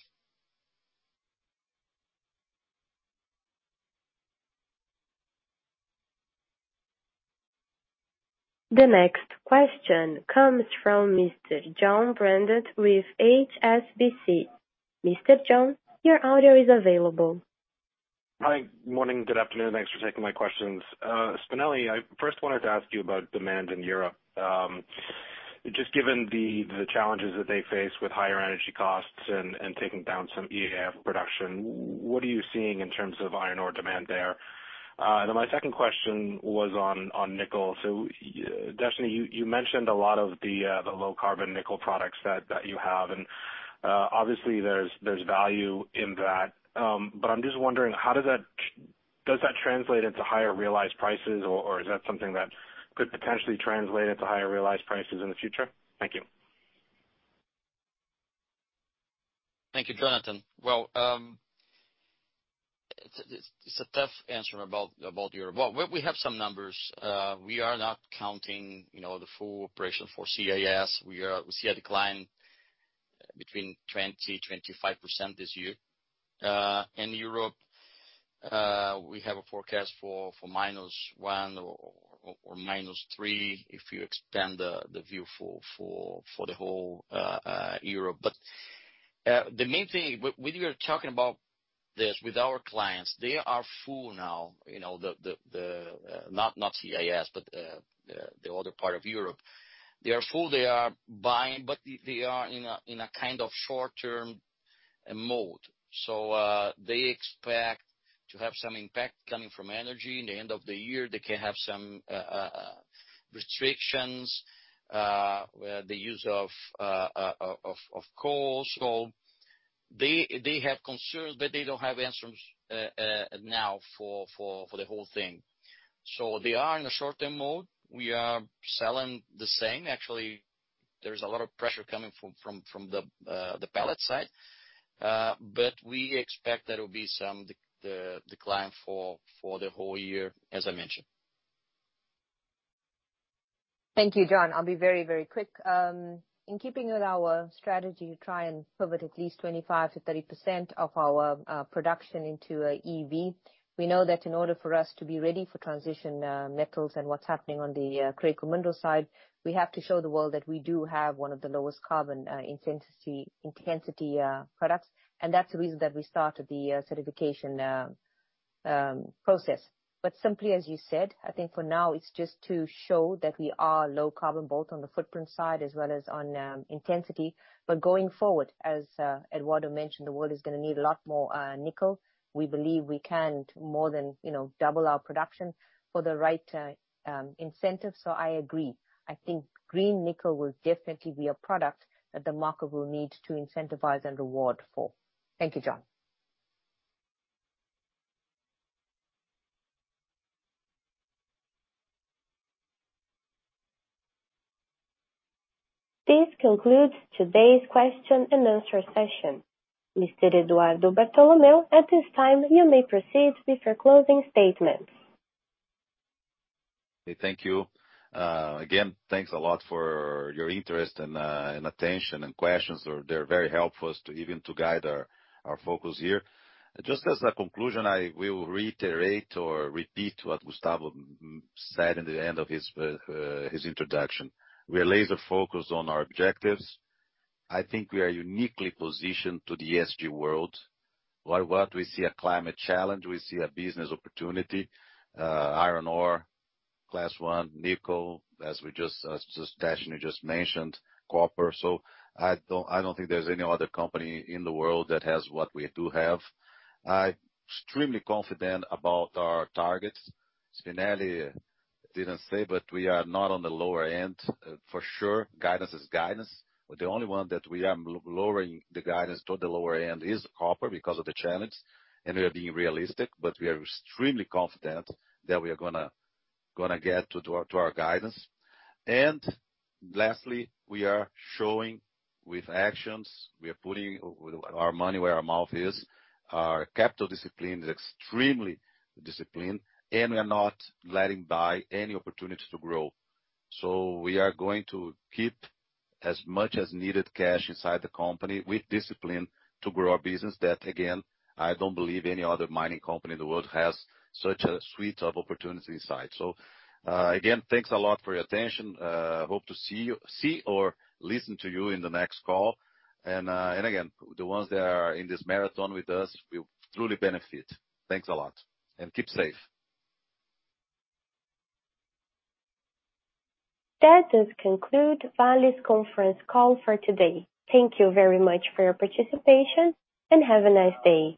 The next question comes from Mr. Jon Brandt with HSBC. Mr. Jon, your audio is available. Hi. Morning. Good afternoon. Thanks for taking my questions. Spinelli, I first wanted to ask you about demand in Europe. Just given the challenges that they face with higher energy costs and taking down some EAF production, what are you seeing in terms of iron ore demand there? Then my second question was on nickel. Definitely you mentioned a lot of the low carbon nickel products that you have, and obviously there's value in that. But I'm just wondering how does that translate into higher realized prices or is that something that could potentially translate into higher realized prices in the future? Thank you. Thank you, Jonathan. Well, it's a tough answer about Europe. Well, we have some numbers. We are not counting, you know, the full operation for CIS. We see a decline between 20%-25% this year. In Europe, we have a forecast for -1% or -3% if you expand the view for the whole Europe. The main thing when we are talking about this with our clients, they are full now. You know, the not CIS, but the other part of Europe. They are full, they are buying, but they are in a kind of short-term mode. They expect to have some impact coming from energy. In the end of the year, they can have some restrictions with the use of coal. They have concerns, but they don't have answers now for the whole thing. They are in a short-term mode. We are selling the same. Actually, there's a lot of pressure coming from the pellet side. But we expect there will be some decline for the whole year, as I mentioned. Thank you, Jon. I'll be very, very quick. In keeping with our strategy to try and pivot at least 25%-30% of our production into EV. We know that in order for us to be ready for transition metals and what's happening on the critical mineral side, we have to show the world that we do have one of the lowest carbon intensity products. That's the reason that we started the certification process. Simply as you said, I think for now it's just to show that we are low carbon, both on the footprint side as well as on intensity. Going forward, as Eduardo mentioned, the world is gonna need a lot more nickel. We believe we can more than, you know, double our production for the right incentive. I agree. I think green nickel will definitely be a product that the market will need to incentivize and reward for. Thank you, Jon. This concludes today's question and answer session. Mr. Eduardo Bartolomeo, at this time you may proceed with your closing statements. Thank you. Again, thanks a lot for your interest and attention and questions. They're very helpful as to even to guide our focus here. Just as a conclusion, I will reiterate or repeat what Gustavo said in the end of his introduction. We are laser focused on our objectives. I think we are uniquely positioned to the ESG world. Where what we see a climate challenge, we see a business opportunity. Iron ore, Class 1 nickel as Deshnee just mentioned, copper. So I don't think there's any other company in the world that has what we do have. I extremely confident about our targets. Spinelli didn't say, but we are not on the lower end. For sure, guidance is guidance. The only one that we are lowering the guidance to the lower end is copper because of the challenge, and we are being realistic. We are extremely confident that we are gonna get to our guidance. Lastly, we are showing with actions, we are putting our money where our mouth is. Our capital discipline is extremely disciplined, and we are not letting by any opportunity to grow. We are going to keep as much as needed cash inside the company with discipline to grow our business that again, I don't believe any other mining company in the world has such a suite of opportunities inside. Again, thanks a lot for your attention. Hope to see or listen to you in the next call. Again, the ones that are in this marathon with us will truly benefit. Thanks a lot, and keep safe. That does conclude Vale's conference call for today. Thank you very much for your participation, and have a nice day.